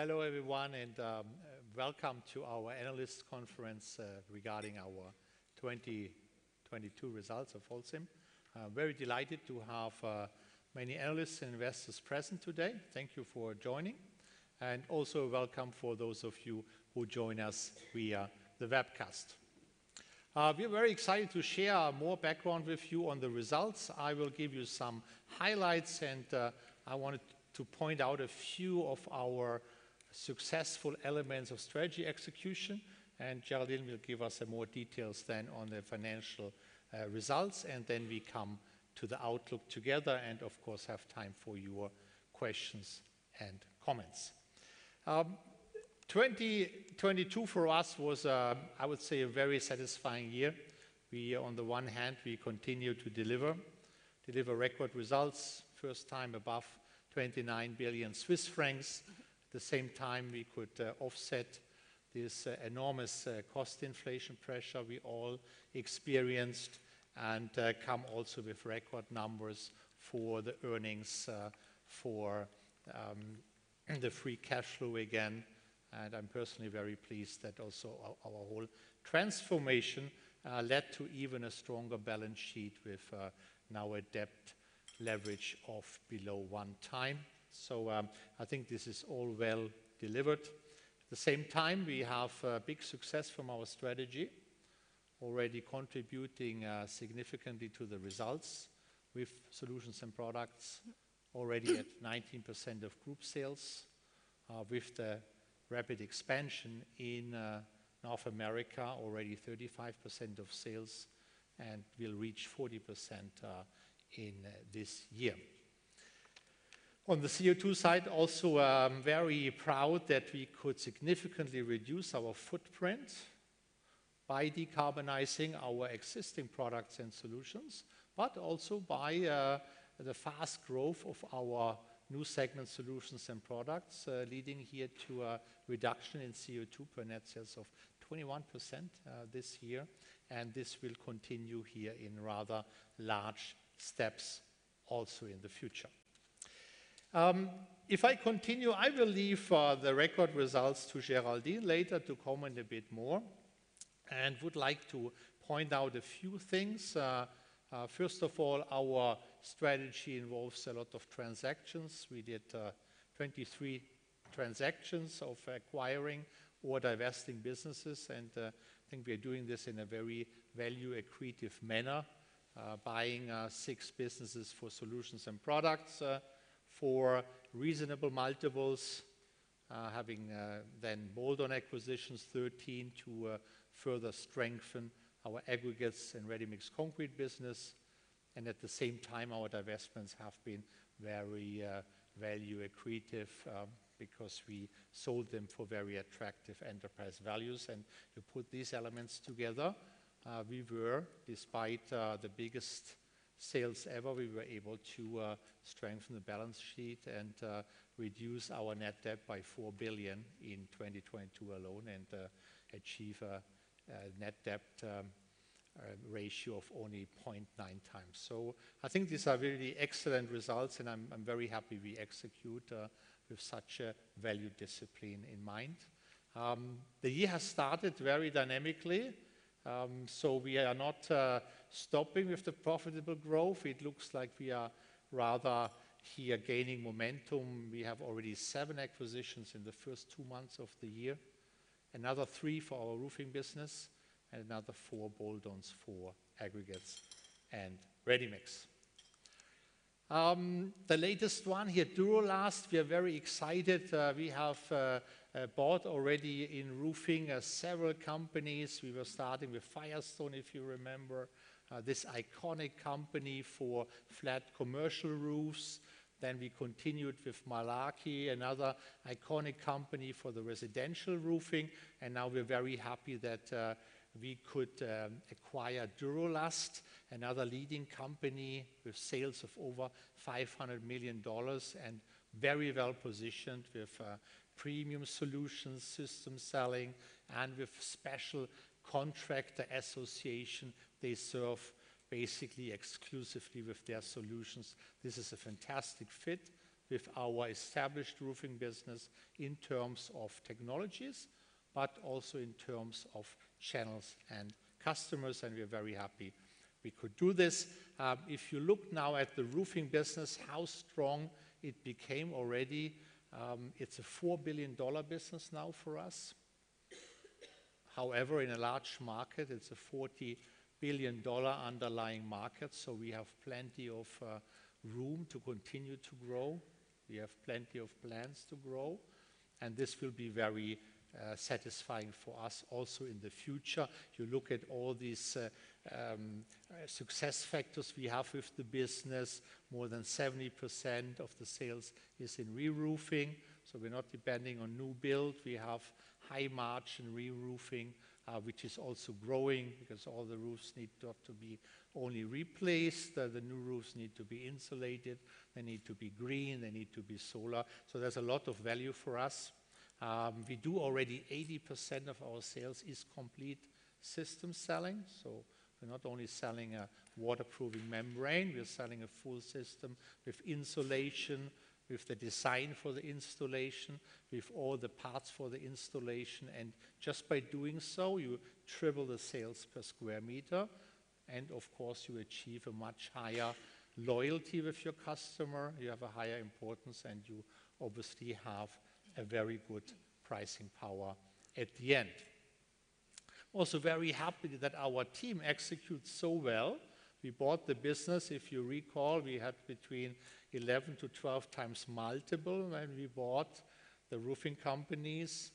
Hello everyone, and welcome to our analyst conference regarding our 2022 results of Holcim. I'm very delighted to have many analysts and investors present today. Thank you for joining. Also welcome for those of you who join us via the webcast. We're very excited to share more background with you on the results. I will give you some highlights, and I wanted to point out a few of our successful elements of strategy execution. Geraldine will give us more details then on the financial results, and then we come to the outlook together and of course, have time for your questions and comments. 2022 for us was, I would say a very satisfying year. We on the one hand, we continued to deliver record results. First time above 29 billion Swiss francs. At the same time, we could offset this enormous cost inflation pressure we all experienced and come also with record numbers for the earnings for the Free Cash Flow again. I'm personally very pleased that also our whole transformation led to even a stronger balance sheet with now a debt leverage of below 1 time. I think this is all well delivered. At the same time, we have big success from our strategy, already contributing significantly to the results with Solutions & Products already at 19% of group sales, with the rapid expansion in North America, already 35% of sales and will reach 40% in this year. On the CO₂ side also, I'm very proud that we could significantly reduce our footprint by decarbonizing our existing products and solutions, also by the fast growth of our new segment Solutions & Products, leading here to a reduction in CO₂ per net sales of 21% this year. This will continue here in rather large steps also in the future. If I continue, I will leave the record results to Geraldine later to comment a bit more, would like to point out a few things. First of all, our strategy involves a lot of transactions. We did 23 transactions of acquiring or divesting businesses, I think we are doing this in a very value accretive manner. Buying six businesses for Solutions & Products, for reasonable multiples. Having bolt-on acquisitions, 13 to further strengthen our aggregates and ready-mix concrete business. At the same time, our divestments have been very value accretive because we sold them for very attractive enterprise values. You put these elements together, we were despite the biggest sales ever, we were able to strengthen the balance sheet and reduce our net debt by $4 billion in 2022 alone and achieve a net debt ratio of only 0.9 times. I think these are really excellent results, and I'm very happy we execute with such a value discipline in mind. The year has started very dynamically, we are not stopping with the profitable growth. It looks like we are rather here gaining momentum. We have already seven acquisitions in the first two months of the year. Another three for our roofing business and another four bolt-ons for aggregates and ready mix. The latest one here, Duro-Last, we are very excited. We have bought already in roofing several companies. We were starting with Firestone, if you remember, this iconic company for flat commercial roofs. We continued with Malarkey, another iconic company for the residential roofing. Now we're very happy that we could acquire Duro-Last, another leading company with sales of over $500 million and very well-positioned with premium solutions, system selling, and with special contractor association. They serve basically exclusively with their solutions. This is a fantastic fit with our established roofing business in terms of technologies, also in terms of channels and customers. We're very happy we could do this. If you look now at the roofing business, how strong it became already, it's a $4 billion business now for us. However, in a large market, it's a $40 billion underlying market. We have plenty of room to continue to grow. We have plenty of plans to grow. This will be very satisfying for us also in the future. You look at all these success factors we have with the business. More than 70% of the sales is in reroofing. We're not depending on new build. We have high margin reroofing, which is also growing because all the roofs need to be only replaced. The new roofs need to be insulated, they need to be green, they need to be solar. There's a lot of value for us. We do already 80% of our sales is complete system selling, so we're not only selling a waterproofing membrane, we're selling a full system. With insulation, with the design for the installation, with all the parts for the installation. Just by doing so, you triple the sales per square meter. Of course, you achieve a much higher loyalty with your customer. You have a higher importance, and you obviously have a very good pricing power at the end. Also very happy that our team executes so well. We bought the business, if you recall, we had between 11 to 12 times multiple when we bought the roofing companies.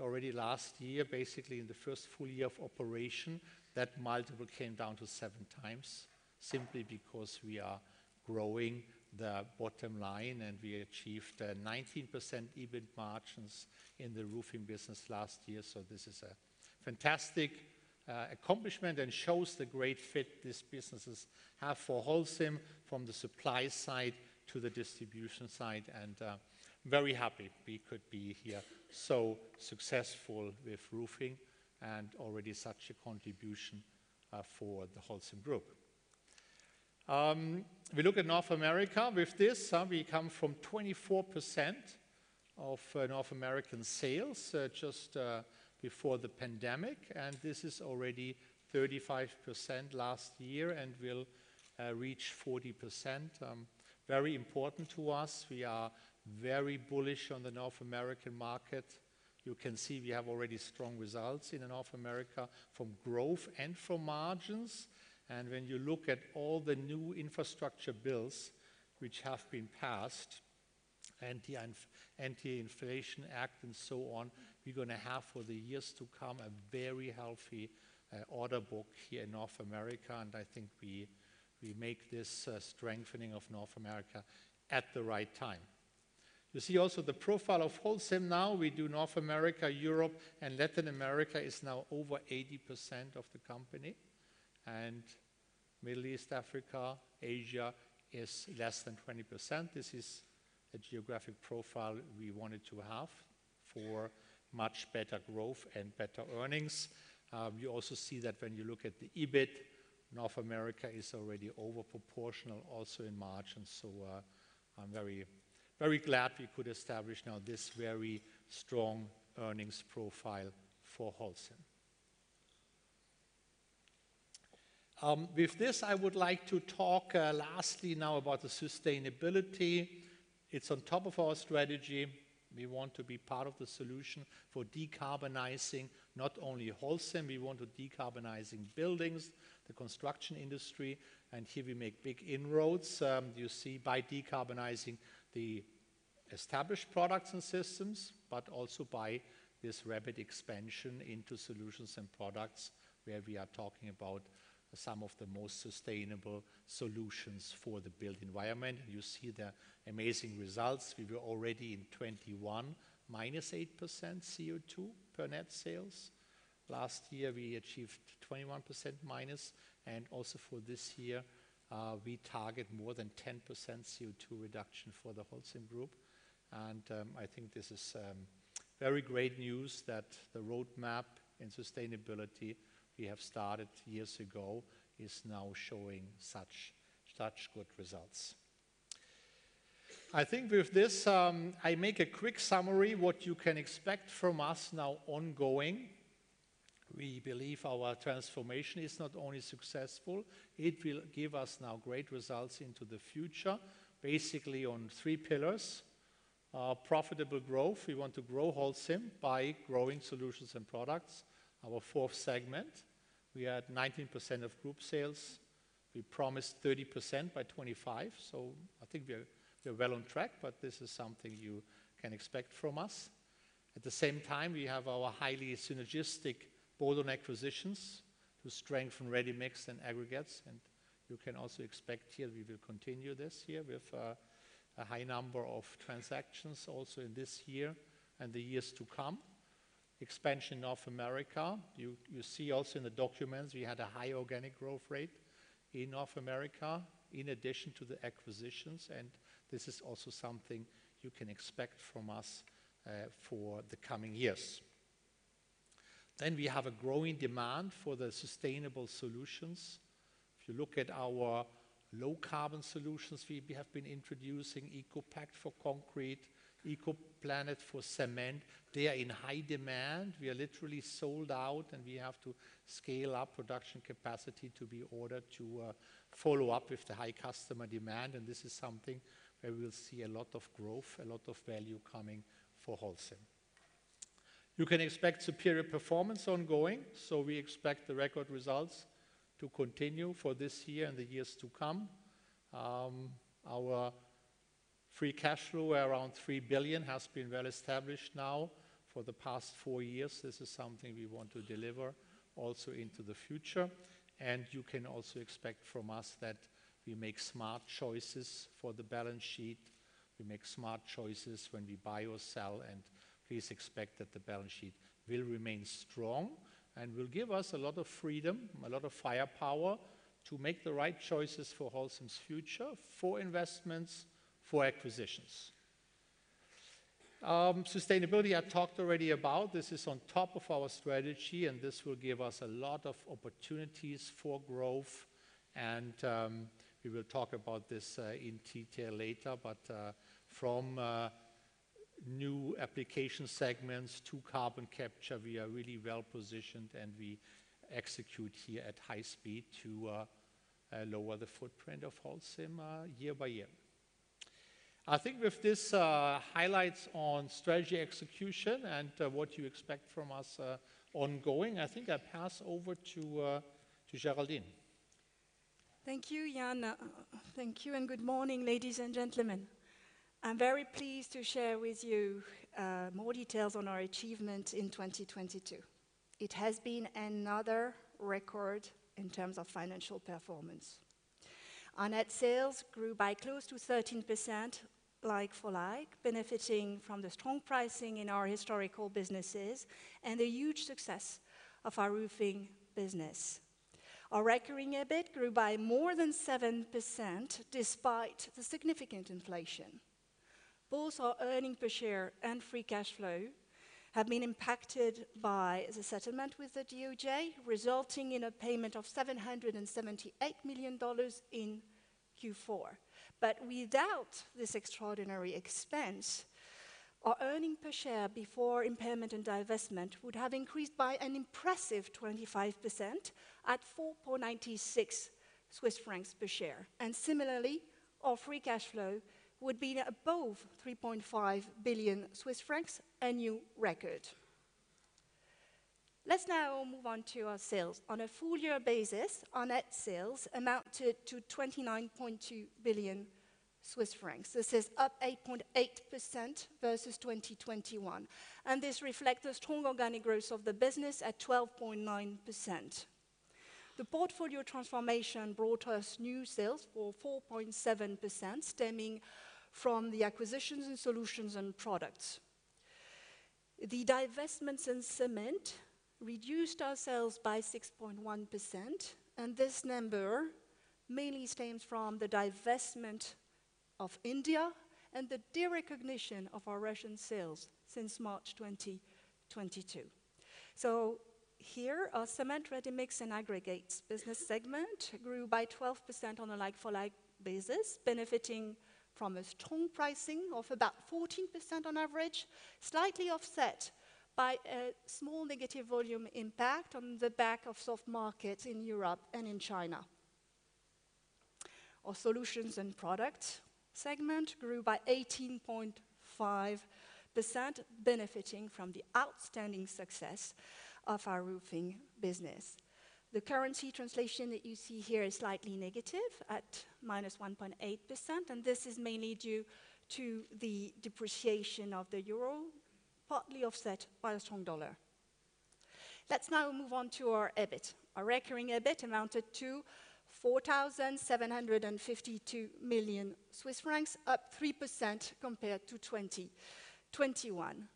Already last year, basically in the first full year of operation, that multiple came down to 7x, simply because we are growing the bottom line and we achieved 19% EBIT margins in the roofing business last year. This is a fantastic accomplishment and shows the great fit these businesses have for Holcim from the supply side to the distribution side. Very happy we could be here so successful with roofing and already such a contribution for the Holcim Group. We look at North America. With this, we come from 24% of North American sales just before the pandemic, and this is already 35% last year and will reach 40%. Very important to us. We are very bullish on the North American market. You can see we have already strong results in North America from growth and from margins. When you look at all the new infrastructure bills which have been passed, Anti-Inflation Act and so on, we're going to have for the years to come a very healthy order book here in North America. I think we make this strengthening of North America at the right time. You see also the profile of Holcim now. We do North America, Europe, and Latin America is now over 80% of the company, and Middle East, Africa, Asia is less than 20%. This is a geographic profile we wanted to have for much better growth and better earnings. We also see that when you look at the EBIT, North America is already over proportional also in margin. I'm very, very glad we could establish now this very strong earnings profile for Holcim. With this, I would like to talk lastly now about the sustainability. It's on top of our strategy. We want to be part of the solution for decarbonizing not only Holcim, we want to decarbonizing buildings, the construction industry, here we make big inroads, you see, by decarbonizing the established products and systems, but also by this rapid expansion into Solutions & Products, where we are talking about some of the most sustainable solutions for the built environment. You see the amazing results. We were already in 2021 minus 8% CO2 per net sales. Last year, we achieved 21% minus. Also for this year, we target more than 10% CO2 reduction for the Holcim Group. I think this is very great news that the roadmap in sustainability we have started years ago is now showing such good results. I think with this, I make a quick summary what you can expect from us now ongoing. We believe our transformation is not only successful, it will give us now great results into the future, basically on three pillars. Profitable growth. We want to grow Holcim by growing Solutions & Products, our fourth segment. We had 19% of group sales. We promised 30% by 2025. I think we're well on track. This is something you can expect from us. At the same time, we have our highly synergistic bolt-on acquisitions to strengthen Ready-Mix and Aggregates. You can also expect here we will continue this here with a high number of transactions also in this year and the years to come. Expansion North America. You see also in the documents, we had a high organic growth rate in North America in addition to the acquisitions, this is also something you can expect from us for the coming years. We have a growing demand for the sustainable solutions. If you look at our low carbon solutions, we have been introducing ECOPact for concrete, ECOPlanet for cement. They are in high demand. We are literally sold out, we have to scale up production capacity to be ordered to follow up with the high customer demand. This is something where we will see a lot of growth, a lot of value coming for Holcim. You can expect superior performance ongoing. We expect the record results to continue for this year and the years to come. Our Free Cash Flow around 3 billion has been well established now for the past four years. This is something we want to deliver also into the future. You can also expect from us that we make smart choices for the balance sheet. We make smart choices when we buy or sell, and please expect that the balance sheet will remain strong and will give us a lot of freedom, a lot of firepower to make the right choices for Holcim's future, for investments, for acquisitions. Sustainability I talked already about. This is on top of our strategy, and we will talk about this in detail later. From new application segments to carbon capture, we are really well-positioned, and we execute here at high speed to lower the footprint of Holcim year by year. I think with this highlights on strategy execution and what you expect from us ongoing, I think I pass over to Geraldine. Thank you, Jan. Thank you. Good morning, ladies and gentlemen. I'm very pleased to share with you more details on our achievement in 2022. It has been another record in terms of financial performance. Our net sales grew by close to 13% like-for-like, benefiting from the strong pricing in our historical businesses and the huge success of our roofing business. Our Recurring EBIT grew by more than 7% despite the significant inflation. Both our earning per share and Free Cash Flow have been impacted by the settlement with the DOJ, resulting in a payment of $778 million in Q4. Without this extraordinary expense, our earning per share before impairment and divestment would have increased an impressive 25% at 4.96 Swiss francs per share. Similarly, our Free Cash Flow would be above 3.5 billion Swiss francs, a new record. Let's now move on to our sales. On a full year basis, our net sales amounted to 29.2 billion Swiss francs. This is up 8.8% versus 2021, and this reflects the strong organic growth of the business at 12.9%. The portfolio transformation brought us new sales for 4.7%, stemming from the acquisitions in Solutions & Products. The divestments in cement reduced our sales by 6.1%, and this number mainly stems from the divestment of India and the derecognition of our Russian sales since March 2022. Here, our cement, ready-mix, and aggregates business segment grew by 12% on a like-for-like basis, benefiting from a strong pricing of about 14% on average, slightly offset by a small negative volume impact on the back of soft markets in Europe and in China. Our Solutions & Products segment grew by 18.5%, benefiting from the outstanding success of our roofing business. The currency translation that you see here is slightly negative at -1.8%, this is mainly due to the depreciation of the euro, partly offset by a strong dollar. Let's now move on to our EBIT. Our recurring EBIT amounted to 4,752 million Swiss francs, up 3% compared to 2021.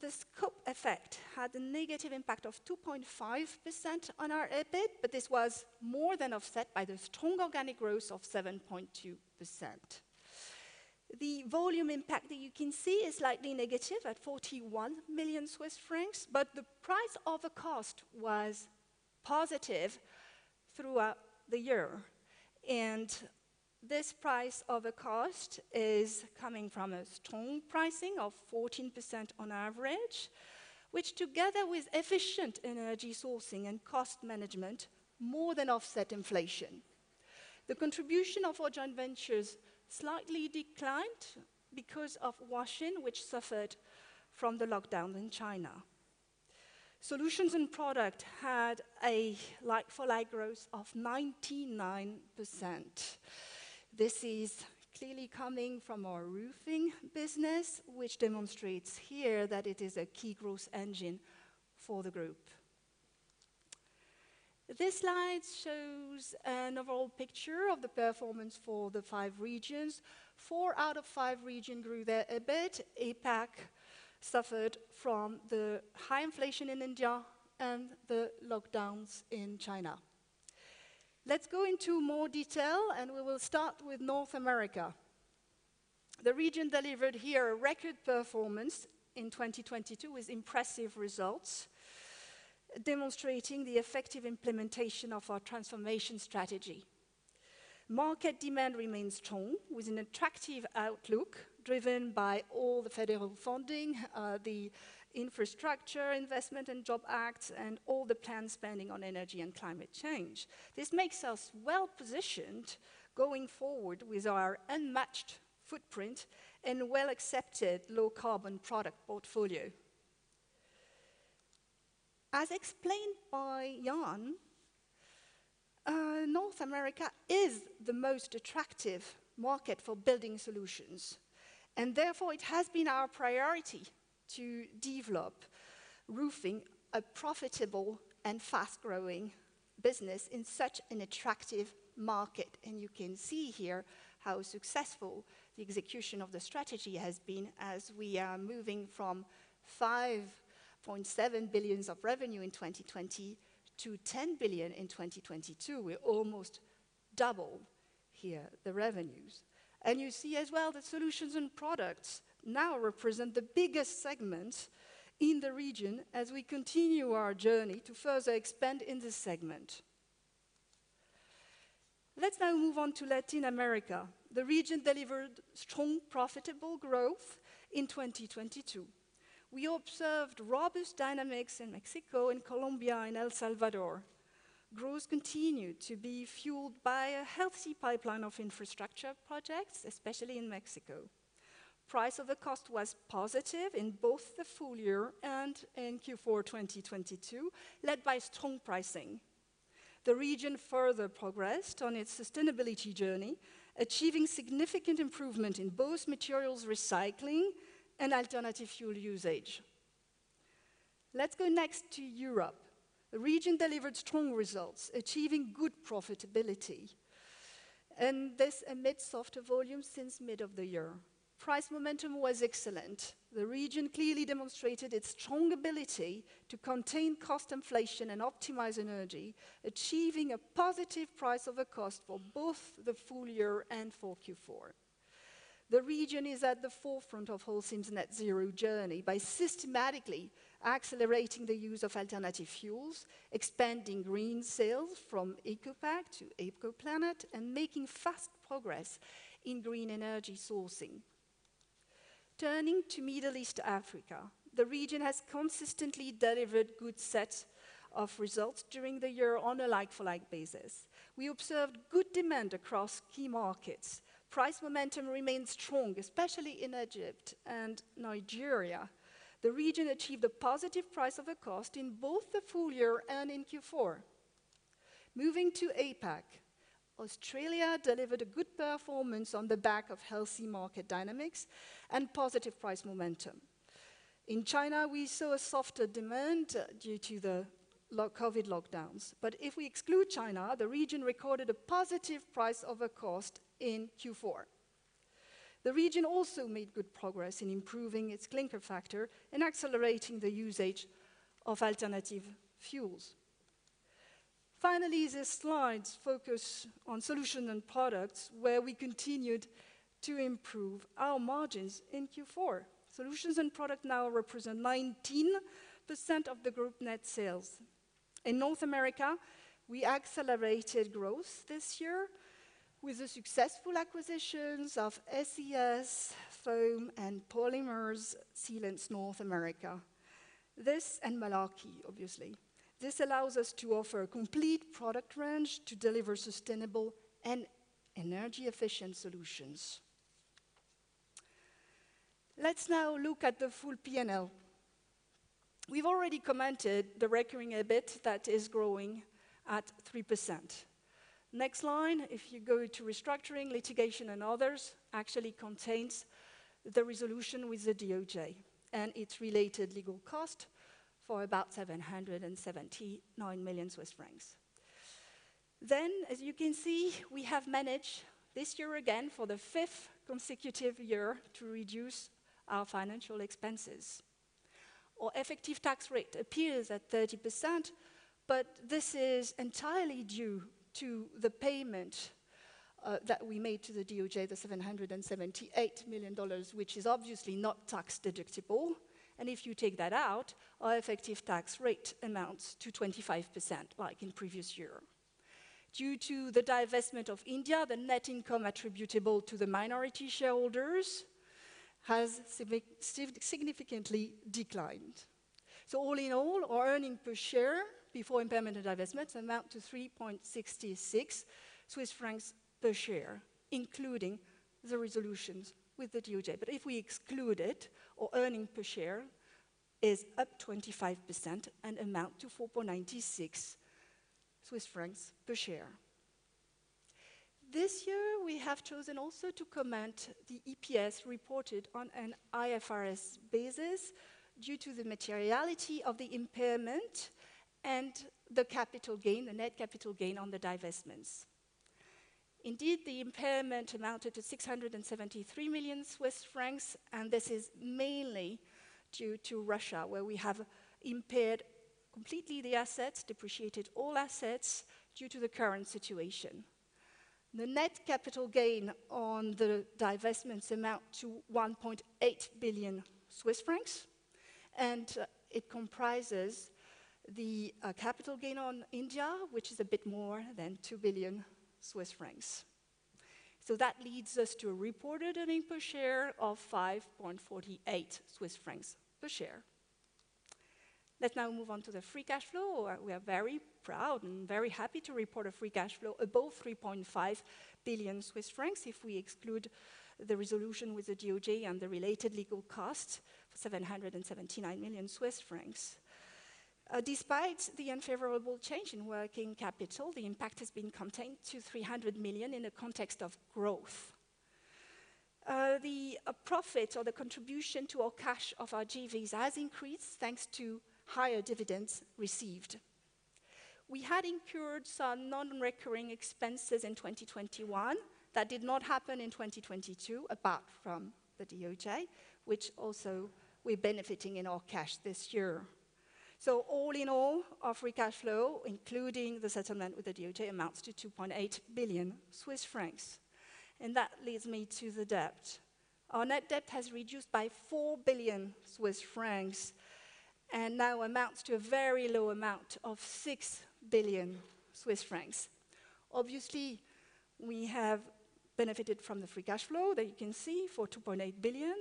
The scope effect had a negative impact of 2.5% on our EBIT, this was more than offset by the strong organic growth of 7.2%. The volume impact that you can see is slightly negative at 41 million Swiss francs, the price over cost was positive throughout the year. This price over cost is coming from a strong pricing of 14% on average, which together with efficient energy sourcing and cost management, more than offset inflation. The contribution of our joint ventures slightly declined because of Huaxin, which suffered from the lockdown in China. Solutions & Products had a like-for-like growth of 99%. This is clearly coming from our roofing business, which demonstrates here that it is a key growth engine for the group. This slide shows an overall picture of the performance for the five regions. Four out of five region grew their EBIT. APAC suffered from the high inflation in India and the lockdowns in China. Let's go into more detail. We will start with North America. The region delivered here a record performance in 2022 with impressive results, demonstrating the effective implementation of our transformation strategy. Market demand remains strong, with an attractive outlook driven by all the federal funding, the Infrastructure Investment and Jobs Act, and all the planned spending on energy and climate change. This makes us well-positioned going forward with our unmatched footprint and well-accepted low-carbon product portfolio. As explained by Jan, North America is the most attractive market for building solutions, and therefore it has been our priority to develop roofing, a profitable and fast-growing business in such an attractive market. You can see here how successful the execution of the strategy has been as we are moving from 5.7 billion of revenue in 2020 to 10 billion in 2022. We're almost Double here the revenues. You see as well that Solutions & Products now represent the biggest segment in the region as we continue our journey to further expand in this segment. Let's now move on to Latin America. The region delivered strong profitable growth in 2022. We observed robust dynamics in Mexico and Colombia and El Salvador. Growth continued to be fueled by a healthy pipeline of infrastructure projects, especially in Mexico. Price over cost was positive in both the full year and in Q4 2022, led by strong pricing. The region further progressed on its sustainability journey, achieving significant improvement in both materials recycling and alternative fuel usage. Let's go next to Europe. The region delivered strong results, achieving good profitability and this amidst softer volumes since mid of the year. Price momentum was excellent. The region clearly demonstrated its strong ability to contain cost inflation and optimize energy, achieving a positive price over cost for both the full year and for Q four. The region is at the forefront of Holcim's net zero journey by systematically accelerating the use of alternative fuels, expanding green sales from ECOPact to ECOPlanet, and making fast progress in green energy sourcing. Turning to Middle East Africa, the region has consistently delivered good sets of results during the year on a like-for-like basis. We observed good demand across key markets. Price momentum remained strong, especially in Egypt and Nigeria. The region achieved a positive price over cost in both the full year and in Q four. Moving to APAC, Australia delivered a good performance on the back of healthy market dynamics and positive price momentum. In China, we saw a softer demand due to the COVID lockdowns. If we exclude China, the region recorded a positive price over cost in Q4. The region also made good progress in improving its clinker factor and accelerating the usage of alternative fuels. These slides focus on Solutions & Products where we continued to improve our margins in Q4. Solutions & Products now represent 19% of the group net sales. In North America, we accelerated growth this year with the successful acquisitions of SES, Foam and Polymers Sealants North America. This, and Malarkey, obviously. This allows us to offer a complete product range to deliver sustainable and energy-efficient solutions. Let's now look at the full P&L. We've already commented the Recurring EBIT that is growing at 3%. Next line, if you go to restructuring, litigation, and others, actually contains the resolution with the DOJ and its related legal cost for about 779 million Swiss francs. As you can see, we have managed this year again for the 5th consecutive year to reduce our financial expenses. Our effective tax rate appears at 30%, but this is entirely due to the payment that we made to the DOJ, the $778 million, which is obviously not tax-deductible. If you take that out, our effective tax rate amounts to 25%, like in previous year. Due to the divestment of India, the net income attributable to the minority shareholders has significantly declined. All in all, our earnings per share before impairment and divestments amount to 3.66 Swiss francs per share, including the resolutions with the DOJ. If we exclude it, our earnings per share is up 25% and amount to 4.96 Swiss francs per share. This year, we have chosen also to comment the EPS reported on an IFRS basis due to the materiality of the impairment and the capital gain, the net capital gain on the divestments. The impairment amounted to 673 million Swiss francs, and this is mainly due to Russia, where we have impaired completely the assets, depreciated all assets due to the current situation. The net capital gain on the divestments amount to 1.8 billion Swiss francs, and it comprises the capital gain on India, which is a bit more than 2 billion Swiss francs. That leads us to a reported earning per share of 5.48 Swiss francs per share. Let's now move on to the Free Cash Flow. We are very proud and very happy to report a Free Cash Flow above 3.5 billion Swiss francs if we exclude the resolution with the DOJ and the related legal costs, 779 million Swiss francs. Despite the unfavorable change in working capital, the impact has been contained to 300 million CHF in the context of growth. The profit or the contribution to our cash of our JVs has increased thanks to higher dividends received. We had incurred some non-recurring expenses in 2021 that did not happen in 2022, apart from the DOJ, which also we're benefiting in our cash this year. All in all, our Free Cash Flow, including the settlement with the DOJ, amounts to 2.8 billion Swiss francs. That leads me to the debt. Our net debt has reduced by 4 billion Swiss francs and now amounts to a very low amount of 6 billion Swiss francs. Obviously, we have benefited from the Free Cash Flow that you can see for 2.8 billion.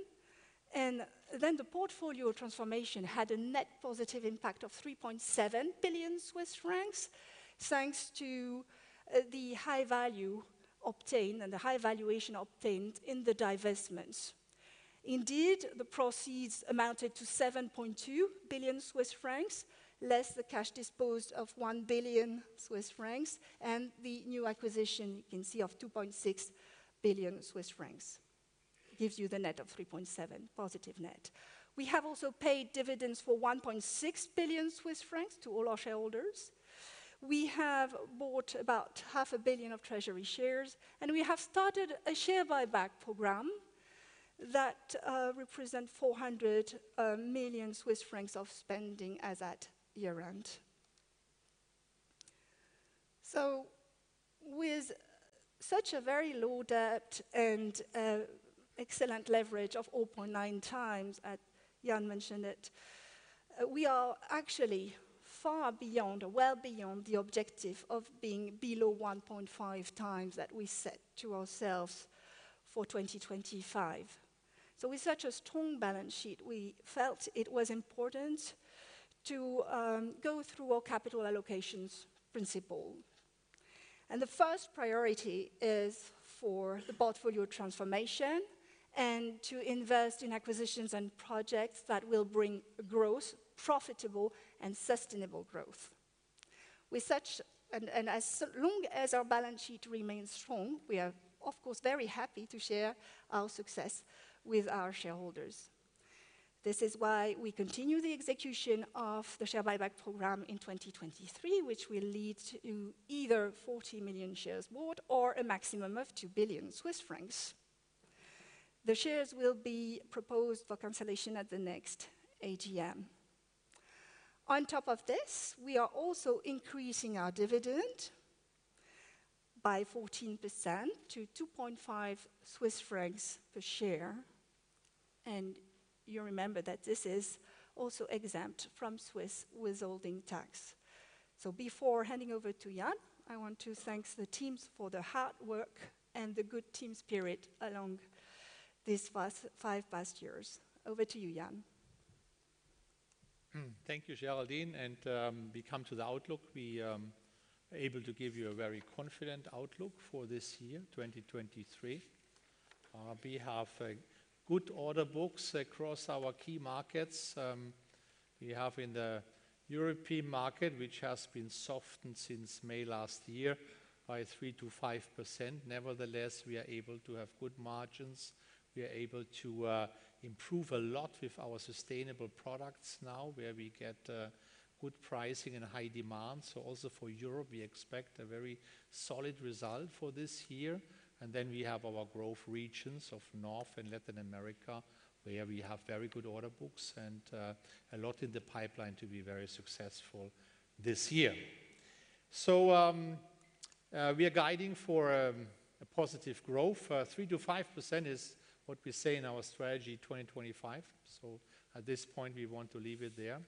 The portfolio transformation had a net positive impact of 3.7 billion Swiss francs, thanks to the high value obtained and the high valuation obtained in the divestments. The proceeds amounted to 7.2 billion Swiss francs, less the cash disposed of 1 billion Swiss francs, and the new acquisition you can see of 2.6 billion Swiss francs. Gives you the net of 3.7, positive net. We have also paid dividends for 1.6 billion Swiss francs to all our shareholders. We have bought about half a billion of treasury shares, we have started a share buyback program that represent 400 million Swiss francs of spending as at year-end. With such a very low debt and excellent leverage of all point nine times, as Jan mentioned it, we are actually far beyond or well beyond the objective of being below 1.5 times that we set to ourselves for 2025. With such a strong balance sheet, we felt it was important to go through our capital allocations principle. The first priority is for the portfolio transformation and to invest in acquisitions and projects that will bring growth, profitable and sustainable growth. Long as our balance sheet remains strong, we are of course, very happy to share our success with our shareholders. This is why we continue the execution of the share buyback program in 2023, which will lead to either 40 million shares bought or a maximum of 2 billion Swiss francs. The shares will be proposed for cancellation at the next AGM. On top of this, we are also increasing our dividend by 14% to 2.5 Swiss francs per share. You remember that this is also exempt from Swiss withholding tax. Before handing over to Jan, I want to thank the teams for their hard work and the good team spirit along these past five past years. Over to you, Jan. Thank you, Geraldine. We come to the outlook. We are able to give you a very confident outlook for this year, 2023. We have good order books across our key markets. We have in the European market, which has been softened since May last year by 3%-5%. Nevertheless, we are able to have good margins. We are able to improve a lot with our sustainable products now, where we get good pricing and high demand. Also for Europe, we expect a very solid result for this year. We have our growth regions of North and Latin America, where we have very good order books and a lot in the pipeline to be very successful this year. We are guiding for a positive growth. 3%-5% is what we say in our strategy 2025. At this point, we want to leave it there.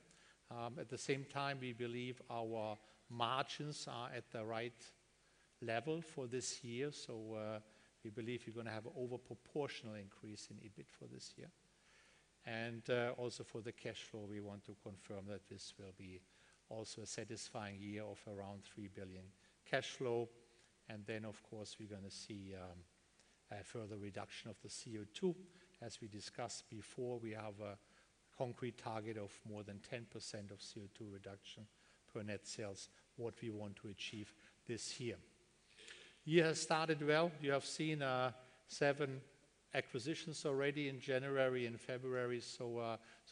At the same time, we believe our margins are at the right level for this year. We believe we're going to have over proportional increase in EBIT for this year. Also for the cash flow, we want to confirm that this will be also a satisfying year of around 3 billion cash flow. Of course, we're going to see a further reduction of the CO₂. As we discussed before, we have a concrete target of more than 10% of CO₂ reduction per net sales, what we want to achieve this year. Year has started well. You have seen 7 acquisitions already in January and February.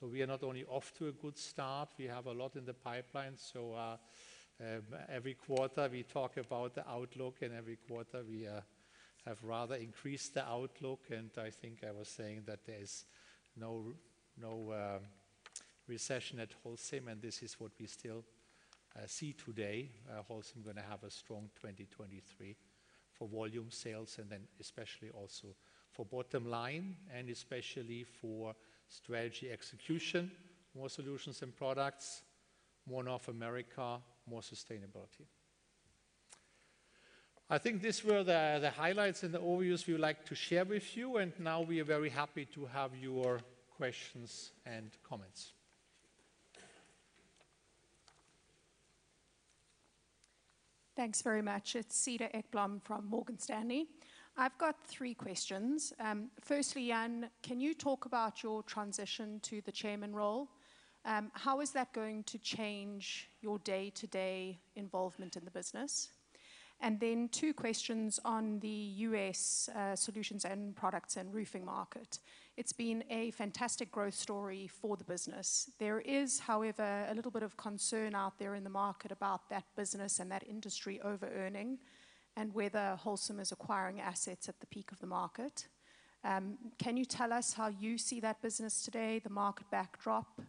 We are not only off to a good start, we have a lot in the pipeline. Every quarter we talk about the outlook, and every quarter we have rather increased the outlook. I think I was saying that there is no recession at Holcim, and this is what we still see today. Holcim going to have a strong 2023 for volume sales and then especially also for bottom line and especially for strategy execution, more Solutions & Products, more North America, more sustainability. I think these were the highlights and the overviews we would like to share with you, and now we are very happy to have your questions and comments. Thanks very much. It's Cedar Ekblom from Morgan Stanley. I've got three questions. Firstly, Jan, can you talk about your transition to the chairman role? How is that going to change your day-to-day involvement in the business? Two questions on the U.S., Solutions & Products and roofing market. It's been a fantastic growth story for the business. There is, however, a little bit of concern out there in the market about that business and that industry overearning and whether Holcim is acquiring assets at the peak of the market. Can you tell us how you see that business today, the market backdrop?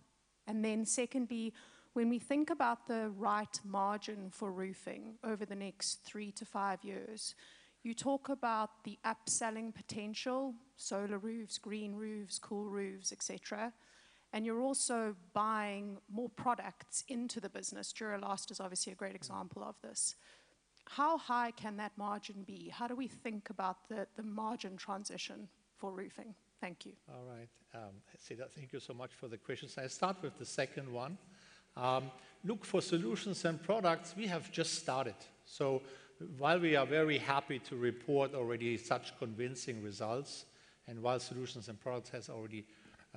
Secondly, when we think about the right margin for roofing over the next three to five years, you talk about the upselling potential, solar roofs, green roofs, cool roofs, et cetera, and you're also buying more products into the business. Duro-Last is obviously a great example of this. How high can that margin be? How do we think about the margin transition for roofing? Thank you. All right. Cedar Ekblom. Thank you so much for the questions. I start with the second one. Look, for Solutions & Products, we have just started. While we are very happy to report already such convincing results, and while Solutions & Products has already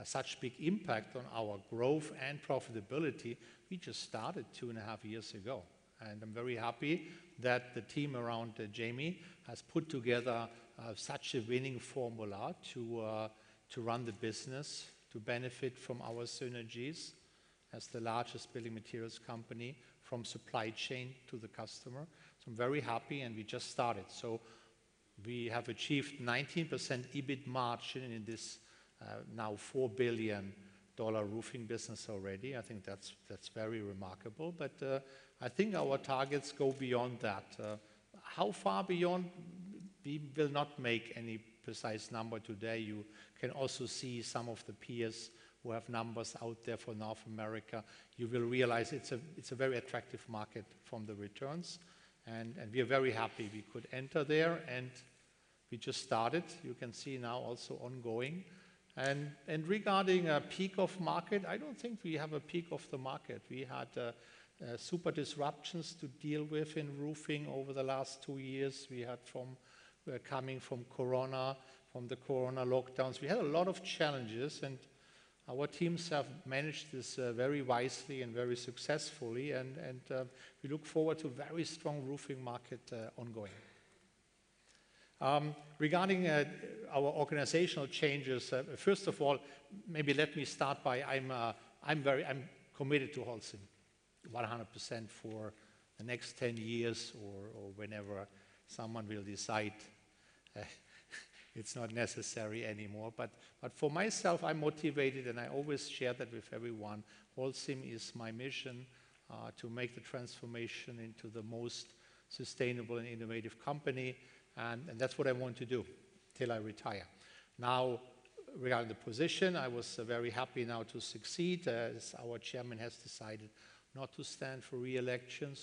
such big impact on our growth and profitability, we just started two and a half years ago. I'm very happy that the team around Jamie has put together such a winning formula to run the business, to benefit from our synergies as the largest building materials company from supply chain to the customer. I'm very happy, and we just started. We have achieved 19% EBIT margin in this now $4 billion roofing business already. I think that's very remarkable. I think our targets go beyond that. How far beyond? We will not make any precise number today. You can also see some of the peers who have numbers out there for North America. You will realize it's a very attractive market from the returns, and we are very happy we could enter there, and we just started. You can see now also ongoing. Regarding a peak of market, I don't think we have a peak of the market. We had super disruptions to deal with in roofing over the last 2 years. We had from coming from corona, from the corona lockdowns. We had a lot of challenges, and our teams have managed this very wisely and very successfully and we look forward to very strong roofing market ongoing. Regarding our organizational changes, first of all, maybe let me start by I'm committed to Holcim 100% for the next 10 years or whenever someone will decide, it's not necessary anymore. For myself, I'm motivated, and I always share that with everyone. Holcim is my mission, to make the transformation into the most sustainable and innovative company, and that's what I want to do till I retire. Regarding the position, I was very happy now to succeed, as our chairman has decided not to stand for re-election.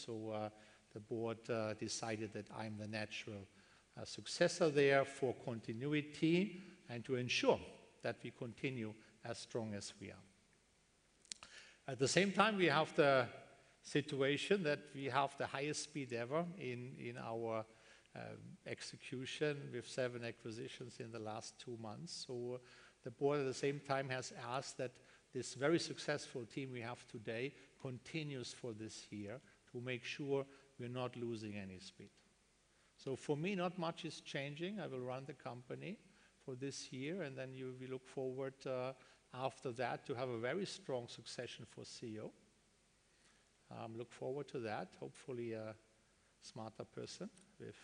The board decided that I'm the natural successor there for continuity and to ensure that we continue as strong as we are. At the same time, we have the situation that we have the highest speed ever in our execution. We have seven acquisitions in the last two months. The board at the same time has asked that this very successful team we have today continues for this year to make sure we're not losing any speed. For me, not much is changing. I will run the company for this year, and then we will look forward after that to have a very strong succession for CEO. Look forward to that. Hopefully a smarter person with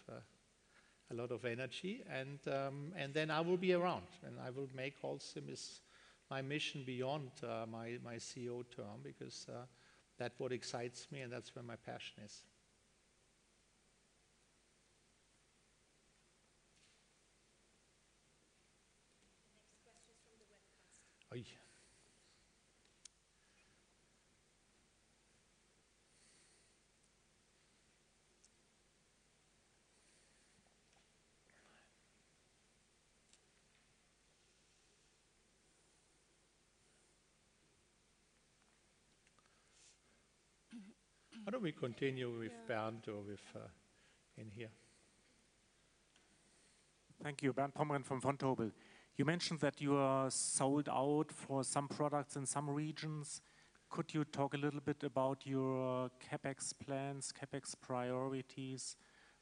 a lot of energy. Then I will be around, and I will make Holcim is my mission beyond my CEO term because that what excites me, and that's where my passion is. Next question is from the webcast. Why don't we continue with Bernd or with, in here? Thank you. Bernd Pomrehn from Vontobel. You mentioned that you are sold out for some products in some regions. Could you talk a little bit about your CapEx plans, CapEx priorities?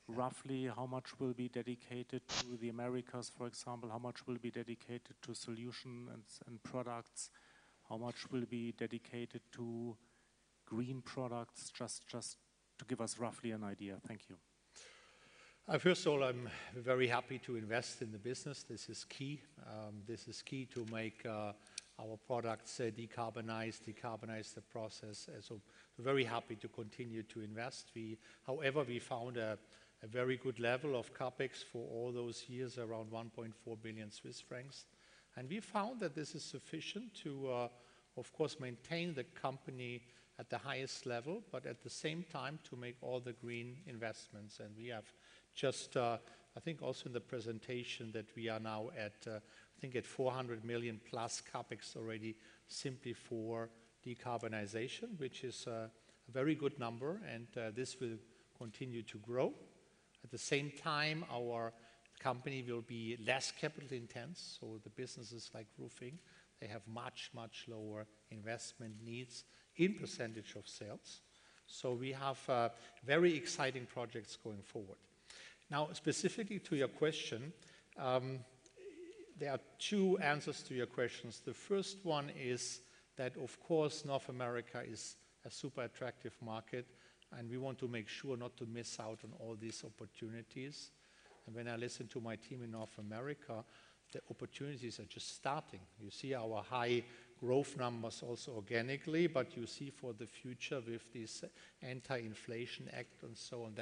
Roughly how much will be dedicated to the Americas, for example? How much will be dedicated to Solutions & Products? How much will be dedicated to green products? Just to give us roughly an idea. Thank you. First of all, I'm very happy to invest in the business. This is key. This is key to make our products decarbonize the process. Very happy to continue to invest. However, we found a very good level of CapEx for all those years, around 1.4 billion Swiss francs. We found that this is sufficient to, of course, maintain the company at the highest level, but at the same time to make all the green investments. We have just, I think also in the presentation that we are now at, I think at 400 million-plus CapEx already simply for decarbonization, which is a very good number, and this will continue to grow. At the same time, our company will be less capital intense. The businesses like roofing, they have much lower investment needs in percentage of sales. We have very exciting projects going forward. Now, specifically to your question, there are two answers to your questions. The first one is that, of course, North America is a super attractive market, and we want to make sure not to miss out on all these opportunities. When I listen to my team in North America, the opportunities are just starting. You see our high growth numbers also organically, but you see for the future with this Inflation Reduction Act and so on,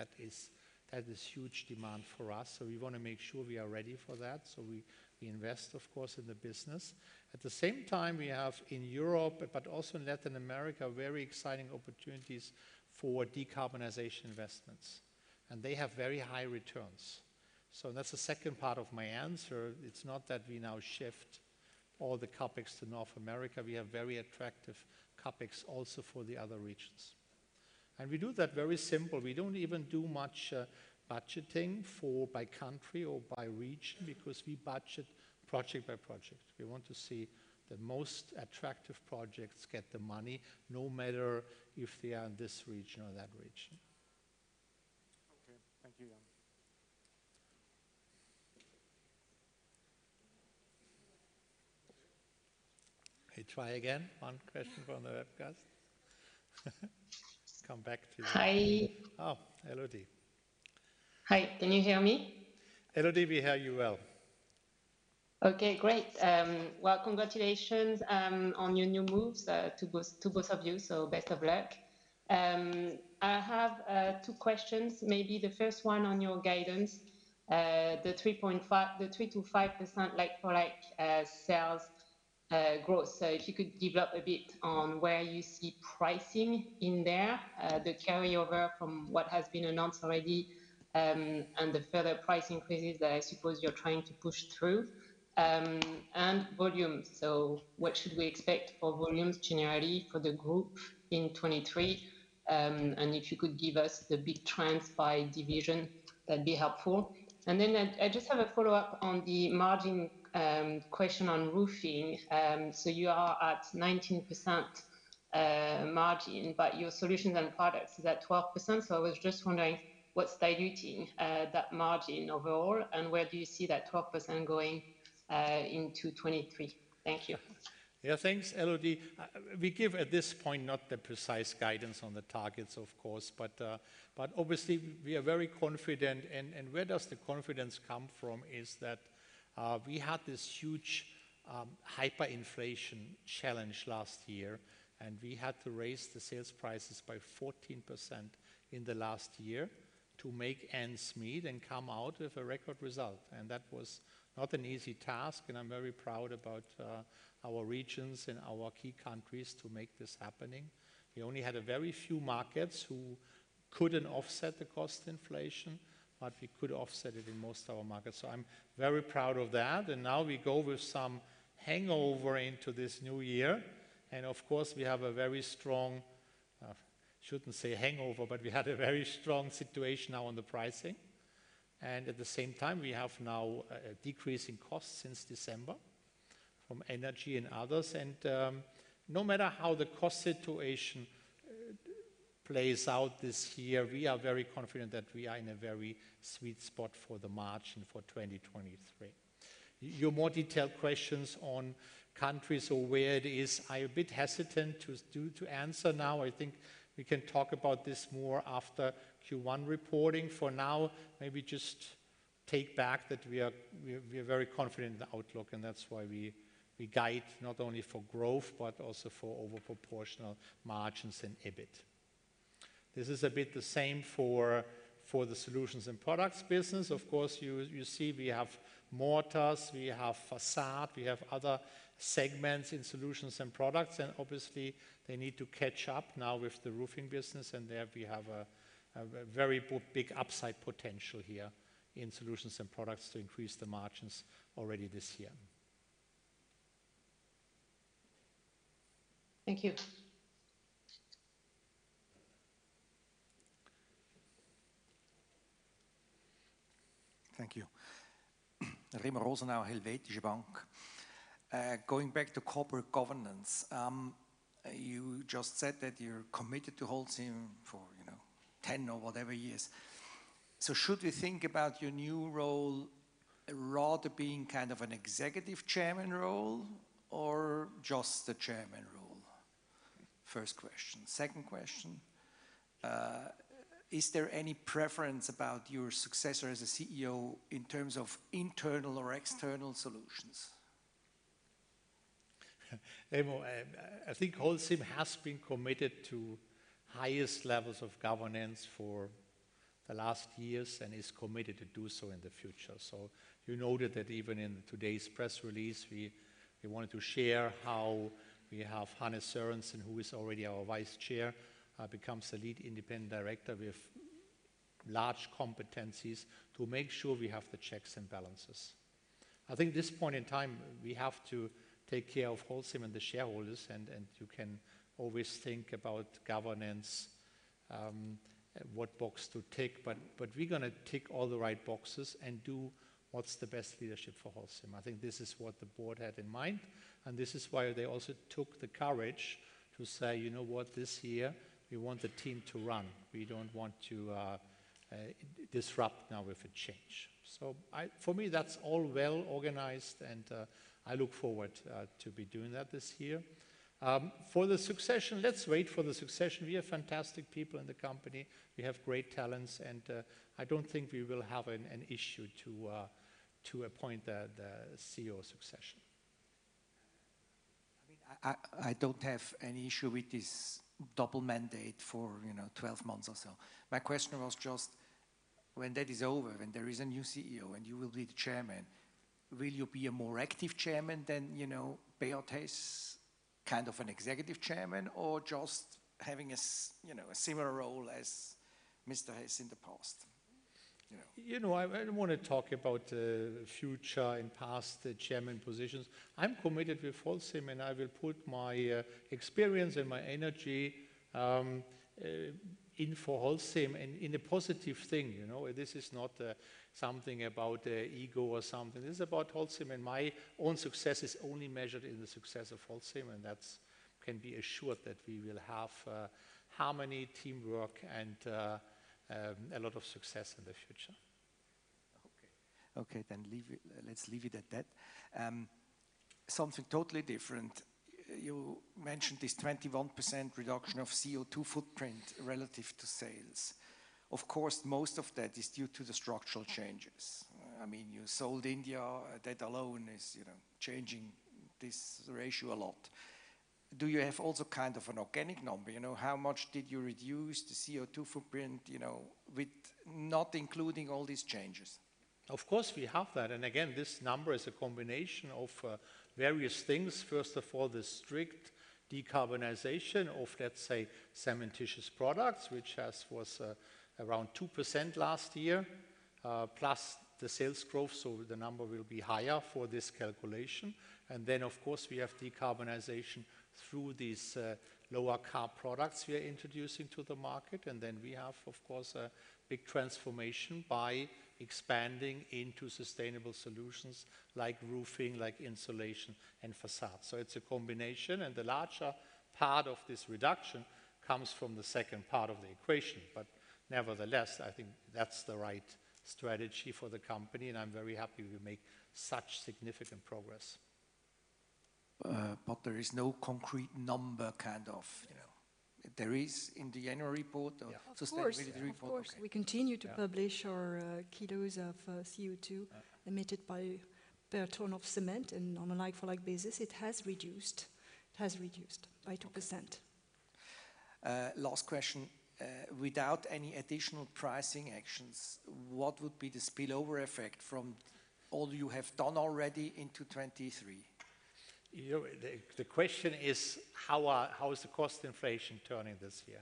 that is huge demand for us, so we want to make sure we are ready for that, so we invest, of course, in the business. At the same time, we have in Europe, but also in Latin America, very exciting opportunities for decarbonization investments, and they have very high returns. That's the second part of my answer. It's not that we now shift all the CapEx to North America. We have very attractive CapEx also for the other regions. We do that very simple. We don't even do much budgeting for by country or by region because we budget project by project. We want to see the most attractive projects get the money, no matter if they are in this region or that region. Okay. Thank you, Jan. I try again, one question from the webcast. Come back to you. Hi. Oh, Elodie. Hi. Can you hear me? Elodie, we hear you well. Okay, great. Well, congratulations on your new moves to both of you, so best of luck. I have two questions. Maybe the first one on your guidance. The 3.5-- the 3%-5% like-for-like sales growth. If you could give up a bit on where you see pricing in there, the carryover from what has been announced already, and the further price increases that I suppose you're trying to push through. And volume. What should we expect for volumes generally for the group in 2023? And if you could give us the big trends by division, that'd be helpful. Then I just have a follow-up on the margin question on roofing. You are at 19% margin, but your Solutions & Products is at 12%, so I was just wondering what's diluting that margin overall, and where do you see that 12% going into 2023? Thank you. Yeah, thanks, Elodie. We give at this point not the precise guidance on the targets, of course, but obviously we are very confident. Where does the confidence come from is that we had this huge hyperinflation challenge last year, and we had to raise the sales prices by 14% in the last year to make ends meet and come out with a record result. That was not an easy task, and I'm very proud about our regions and our key countries to make this happening. We only had a very few markets who couldn't offset the cost inflation, but we could offset it in most of our markets. I'm very proud of that. Now we go with some hangover into this new year. Of course, we have a very strong, shouldn't say hangover, but we had a very strong situation now on the pricing. At the same time, we have now a decrease in costs since December from energy and others. No matter how the cost situation plays out this year, we are very confident that we are in a very sweet spot for the margin for 2023. Your more detailed questions on countries or where it is, I'm a bit hesitant to answer now. I think we can talk about this more after Q1 reporting. For now, maybe just take back that we are very confident in the outlook, and that's why we guide not only for growth, but also for overproportional margins in EBIT. This is a bit the same for the Solutions & Products business. Of course, you see we have mortars, we have facade, we have other segments in Solutions & Products, and obviously they need to catch up now with the roofing business. There we have a very big upside potential here in Solutions & Products to increase the margins already this year. Thank you. Thank you. Remo Rosenau, Helvetische Bank. Going back to corporate governance, you just said that you're committed to Holcim for, 10 or whatever years. Should we think about your new role rather being kind of an executive chairman role or just the chairman role? First question. Second question, is there any preference about your successor as a CEO in terms of internal or external solutions? Remo, I think Holcim has been committed to highest levels of governance for the last years and is committed to do so in the future. You noted that even in today's press release, we wanted to share how we have Hanne Sørensen, who is already our Vice-Chair, becomes the Lead Independent Director with large competencies to make sure we have the checks and balances. I think at this point in time, we have to take care of Holcim and the shareholders, and you can always think about governance, what box to tick. We're going to tick all the right boxes and do what's the best leadership for Holcim. I think this is what the board had in mind, and this is why they also took the courage to say, " what? This year we want the team to run. We don't want to disrupt now with a change." For me, that's all well organized, and I look forward to be doing that this year. For the succession, let's wait for the succession. We have fantastic people in the company. We have great talents, and I don't think we will have an issue to appoint the CEO succession. I don't have any issue with this double mandate for, 12 months or so. My question was just when that is over, when there is a new CEO and you will be the chairman, will you be a more active chairman than, Beat Hess, kind of an executive chairman, or just having a similar role as Mr. Hess in the past? I don't want to talk about the future and past chairman positions. I'm committed with Holcim, and I will put my experience and my energy in for Holcim and in a positive thing. This is not something about ego or something. This is about Holcim, and my own success is only measured in the success of Holcim, and that's can be assured that we will have harmony, teamwork, and a lot of success in the future. Okay. Let's leave it at that. Something totally different. You mentioned this 21% reduction of CO₂ footprint relative to sales. Of course, most of that is due to the structural changes. I mean, you sold India. That alone is, changing this ratio a lot. Do you have also kind of an organic number? how much did you reduce the CO₂ footprint, with not including all these changes? Of course, we have that. Again, this number is a combination of various things. First of all, the strict decarbonization of, let's say, cementitious products, which was around 2% last year, plus the sales growth, so the number will be higher for this calculation. Then, of course, we have decarbonization through these lower-carb products we are introducing to the market. Then we have, of course, a big transformation by expanding into sustainable solutions like roofing, like insulation, and facades. It's a combination, and the larger part of this reduction comes from the second part of the equation. Nevertheless, I think that's the right strategy for the company, and I'm very happy we make such significant progress. There is no concrete number kind of? There is in the January report. Yeah. Sustainability report. Of course. Of course. Yeah. We continue to publish our kilos of CO₂ emitted by per ton of cement, and on a like-for-like basis, it has reduced. It has reduced by 2%. Last question. Without any additional pricing actions, what would be the spillover effect from all you have done already into 2023? the question is how is the cost inflation turning this year?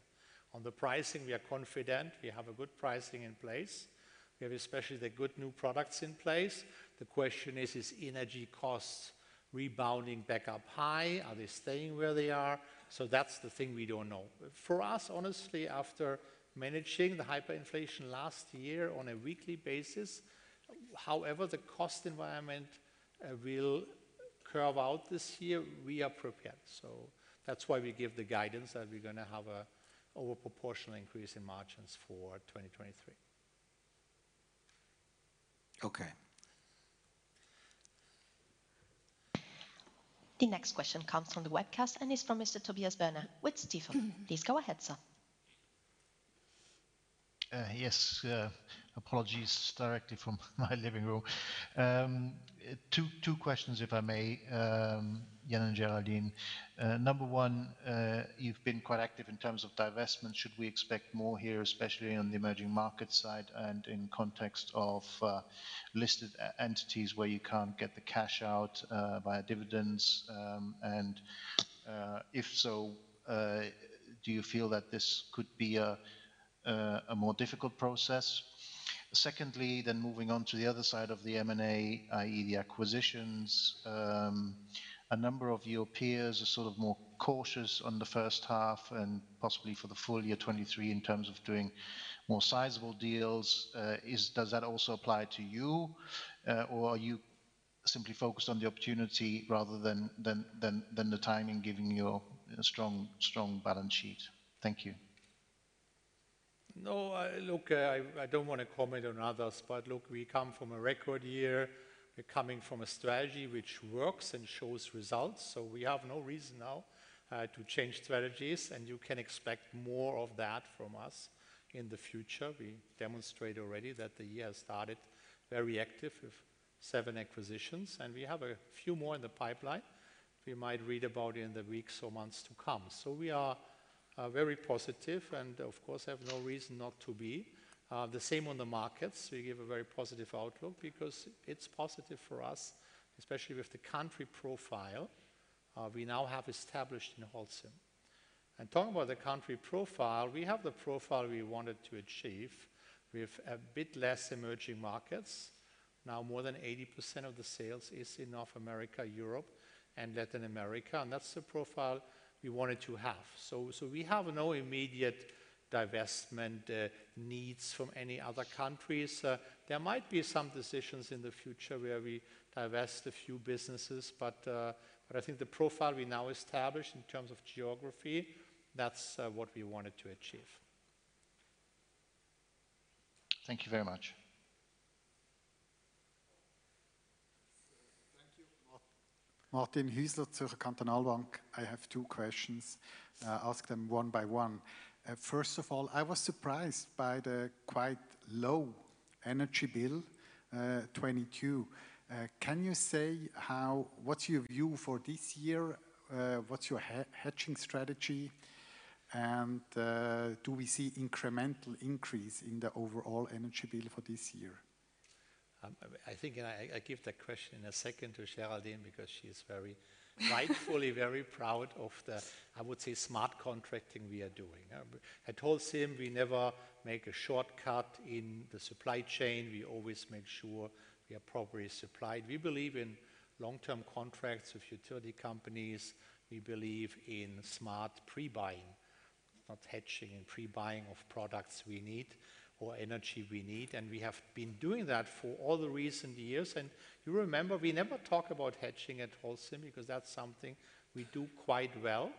On the pricing, we are confident. We have a good pricing in place. We have especially the good new products in place. The question is energy costs rebounding back up high? Are they staying where they are? That's the thing we don't know. For us, honestly, after managing the hyperinflation last year on a weekly basis, however the cost environment will curve out this year, we are prepared. That's why we give the guidance that we're going to have a over proportional increase in margins for 2023. Okay. The next question comes from the webcast and is from Mr. Tobias Woerner with Stifel. Please go ahead, sir. Yes. Apologies, directly from my living room. Two questions, if I may, Jan and Geraldine. Number one, you've been quite active in terms of divestment. Should we expect more here, especially on the emerging market side and in context of listed e-entities where you can't get the cash out via dividends? If so, do you feel that this could be a more difficult process? Secondly, moving on to the other side of the M&A, i.e., the acquisitions, a number of your peers are sort of more cautious on the first half and possibly for the full year 2023 in terms of doing more sizable deals. Does that also apply to you? Are you simply focused on the opportunity rather than the timing, given your strong balance sheet? Thank you. No, I don't want to comment on others. Look, we come from a record year. We're coming from a strategy which works and shows results. We have no reason now to change strategies. You can expect more of that from us in the future. We demonstrate already that the year started very active with seven acquisitions. We have a few more in the pipeline we might read about in the weeks or months to come. We are very positive and, of course, have no reason not to be. The same on the markets. We give a very positive outlook because it's positive for us, especially with the country profile we now have established in Holcim. Talking about the country profile, we have the profile we wanted to achieve. We have a bit less emerging markets. Now more than 80% of the sales is in North America, Europe, and Latin America, and that's the profile we wanted to have. We have no immediate divestment needs from any other countries. There might be some decisions in the future where we divest a few businesses, I think the profile we now established in terms of geography, that's what we wanted to achieve. Thank you very much. Thank you. I have two questions. Ask them one by one. First of all, I was surprised by the quite low energy bill, 2022. Can you say what's your view for this year? What's your hedging strategy? Do we see incremental increase in the overall energy bill for this year? I think I give that question in a second to Geraldine because she is rightfully very proud of the, I would say, smart contracting we are doing. At Holcim, we never make a shortcut in the supply chain. We always make sure we are properly supplied. We believe in long-term contracts with utility companies. We believe in smart pre-buying, not hedging and pre-buying of products we need or energy we need. We have been doing that for all the recent years. You remember, we never talk about hedging at Holcim because that's something we do quite well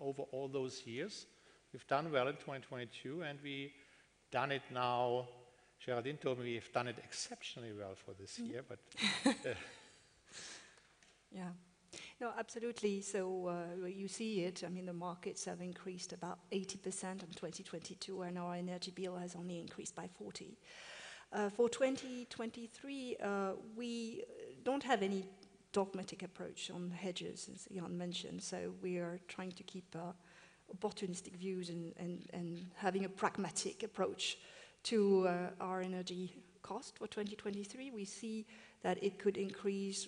over all those years. We've done well in 2022, and we done it now. Geraldine told me we've done it exceptionally well for this year. Yeah. No, absolutely. You see it, I mean, the markets have increased about 80% in 2022, and our energy bill has only increased by 40%. For 2023, we don't have any dogmatic approach on hedges, as Jan mentioned. We are trying to keep opportunistic views and having a pragmatic approach to our energy cost for 2023. We see that it could increase,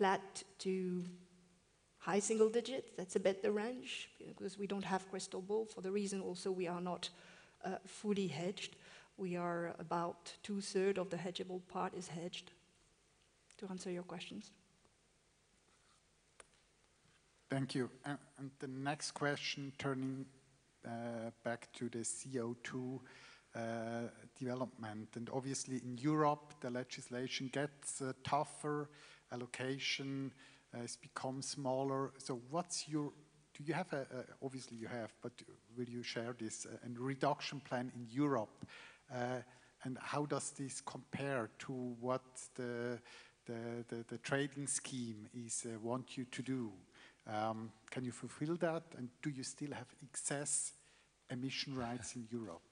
flat to high single digits. That's about the range because we don't have crystal ball for the reason also we are not fully hedged. We are about two-thirds of the hedgeable part is hedged, to answer your questions. Thank you. The next question, turning back to the CO2 development. Obviously in Europe, the legislation gets tougher, allocation has become smaller. What's your... Do you have a, obviously you have, but will you share this and reduction plan in Europe? How does this compare to what the trading scheme is want you to do? Can you fulfill that, and do you still have excess emission rights in Europe?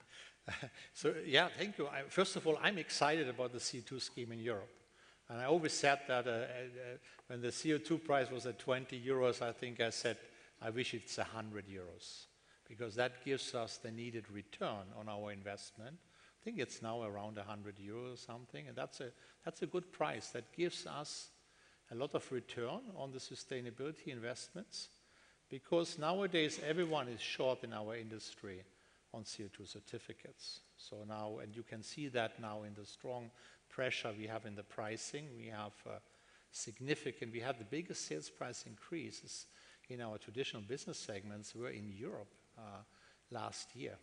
Yeah. Thank you. First of all, I'm excited about the CO2 scheme in Europe. I always said that when the CO2 price was at 20 euros, I think I said, "I wish it's 100 euros," because that gives us the needed return on our investment. I think it's now around 100 euros or something, and that's a good price. That gives us a lot of return on the sustainability investments because nowadays everyone is short in our industry on CO2 certificates. You can see that now in the strong pressure we have in the pricing. We have the biggest sales price increases in our traditional business segments were in Europe last year.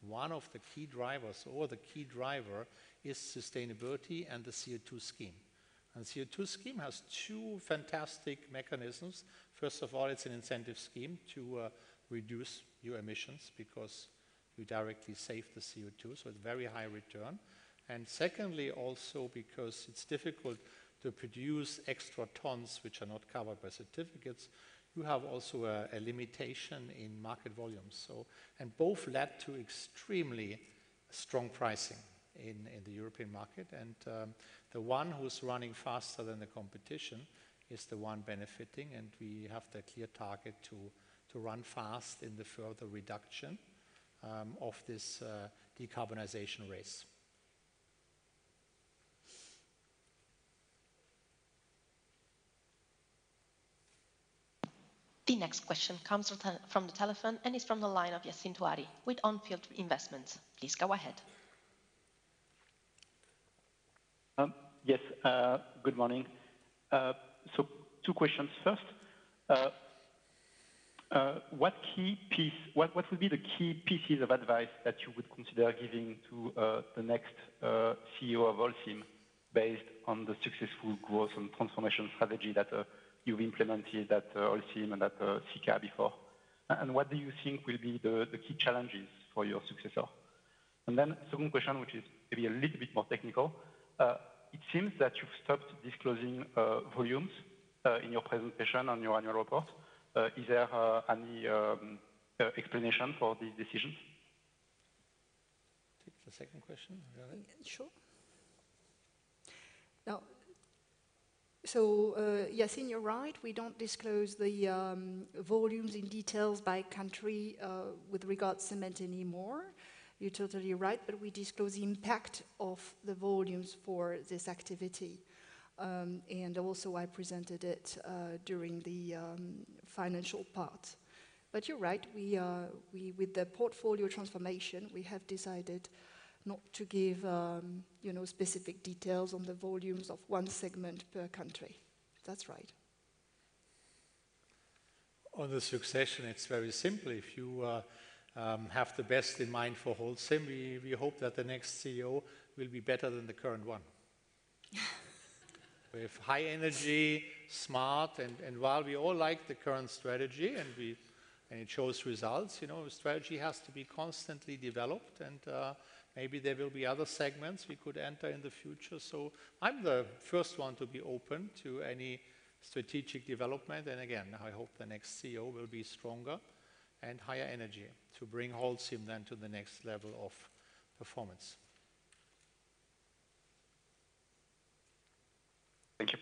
One of the key drivers or the key driver is sustainability and the CO2 scheme. CO2 scheme has two fantastic mechanisms. First of all, it's an incentive scheme to reduce your emissions because you directly save the CO2, so it's very high return. Secondly, also because it's difficult to produce extra tons which are not covered by certificates, you have also a limitation in market volumes. Both led to extremely strong pricing in the European market. The one who's running faster than the competition is the one benefiting, and we have the clear target to run fast in the further reduction of this decarbonization race. The next question comes from the telephone and is from the line of Yacine Touahri with Unfiltered Investments. Please go ahead. Yes. Good morning. Two questions. First, what would be the key pieces of advice that you would consider giving to the next CEO of Holcim based on the successful growth and transformation strategy that you've implemented at Holcim and at Sika before? What do you think will be the key challenges for your successor? Second question, which is maybe a little bit more technical. It seems that you've stopped disclosing volumes in your presentation on your annual report. Is there any explanation for this decision? Take the second question, Geraldine? Sure. Yacine, you're right. We don't disclose the volumes in details by country with regard cement anymore. You're totally right. We disclose the impact of the volumes for this activity. Also I presented it during the financial part. You're right. We With the portfolio transformation, we have decided not to give, specific details on the volumes of one segment per country. That's right. On the succession, it's very simple. If you have the best in mind for Holcim, we hope that the next CEO will be better than the current one. With high energy, smart, and while we all like the current strategy and it shows results, strategy has to be constantly developed and maybe there will be other segments we could enter in the future. I'm the first one to be open to any strategic development. Again, I hope the next CEO will be stronger and higher energy to bring Holcim then to the next level of performance. Thank you.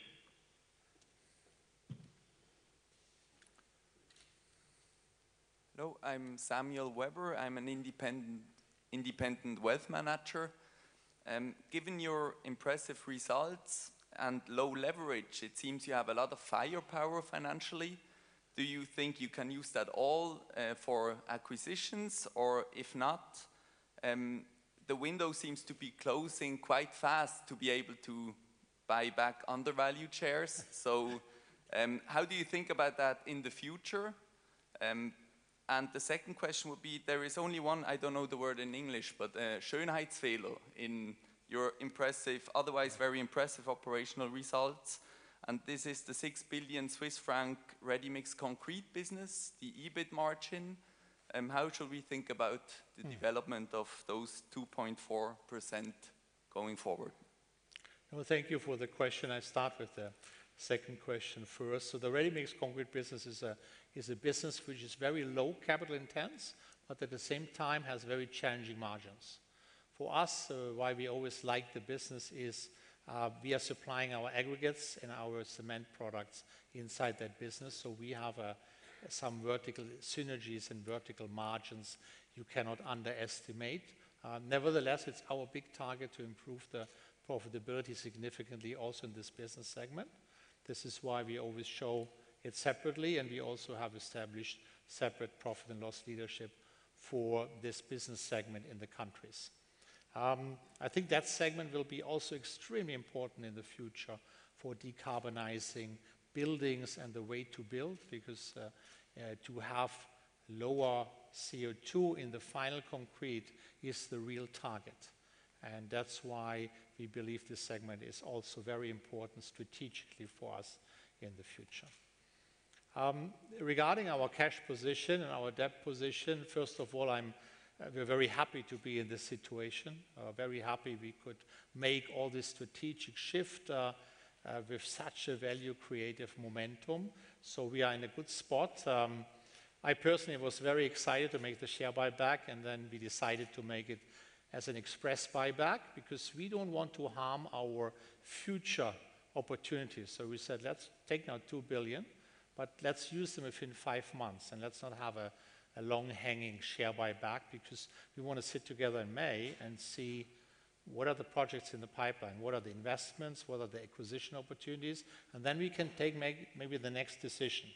Hello, I'm Samuel Weber. I'm an independent wealth manager. Given your impressive results and low leverage, it seems you have a lot of firepower financially. Do you think you can use that all for acquisitions? If not, the window seems to be closing quite fast to be able to buy back undervalued shares. How do you think about that in the future? The second question would be, there is only one, I don't know the word in English, but Schönheitsfehler in your otherwise very impressive operational results, and this is the 6 billion Swiss franc ready-mix concrete business, the EBIT margin. How should we think about the development of those 2.4% going forward? Well, thank you for the question. I start with the second question first. The ready-mix concrete business is a business which is very low capital intense, but at the same time has very challenging margins. For us, why we always like the business is, we are supplying our aggregates and our cement products inside that business, so we have some vertical synergies and vertical margins you cannot underestimate. Nevertheless, it's our big target to improve the profitability significantly also in this business segment. This is why we always show it separately, and we also have established separate profit and loss leadership for this business segment in the countries. I think that segment will be also extremely important in the future for decarbonizing buildings and the way to build, because to have lower CO2 in the final concrete is the real target. That's why we believe this segment is also very important strategically for us in the future. Regarding our cash position and our debt position, first of all, we're very happy to be in this situation. Very happy we could make all this strategic shift with such a value creative momentum. We are in a good spot. I personally was very excited to make the share buyback. We decided to make it as an express buyback, because we don't want to harm our future opportunities. We said, "Let's take now 2 billion, but let's use them within 5 months, and let's not have a long-hanging share buyback, because we want to sit together in May and see what are the projects in the pipeline, what are the investments, what are the acquisition opportunities, and then we can take maybe the next decision."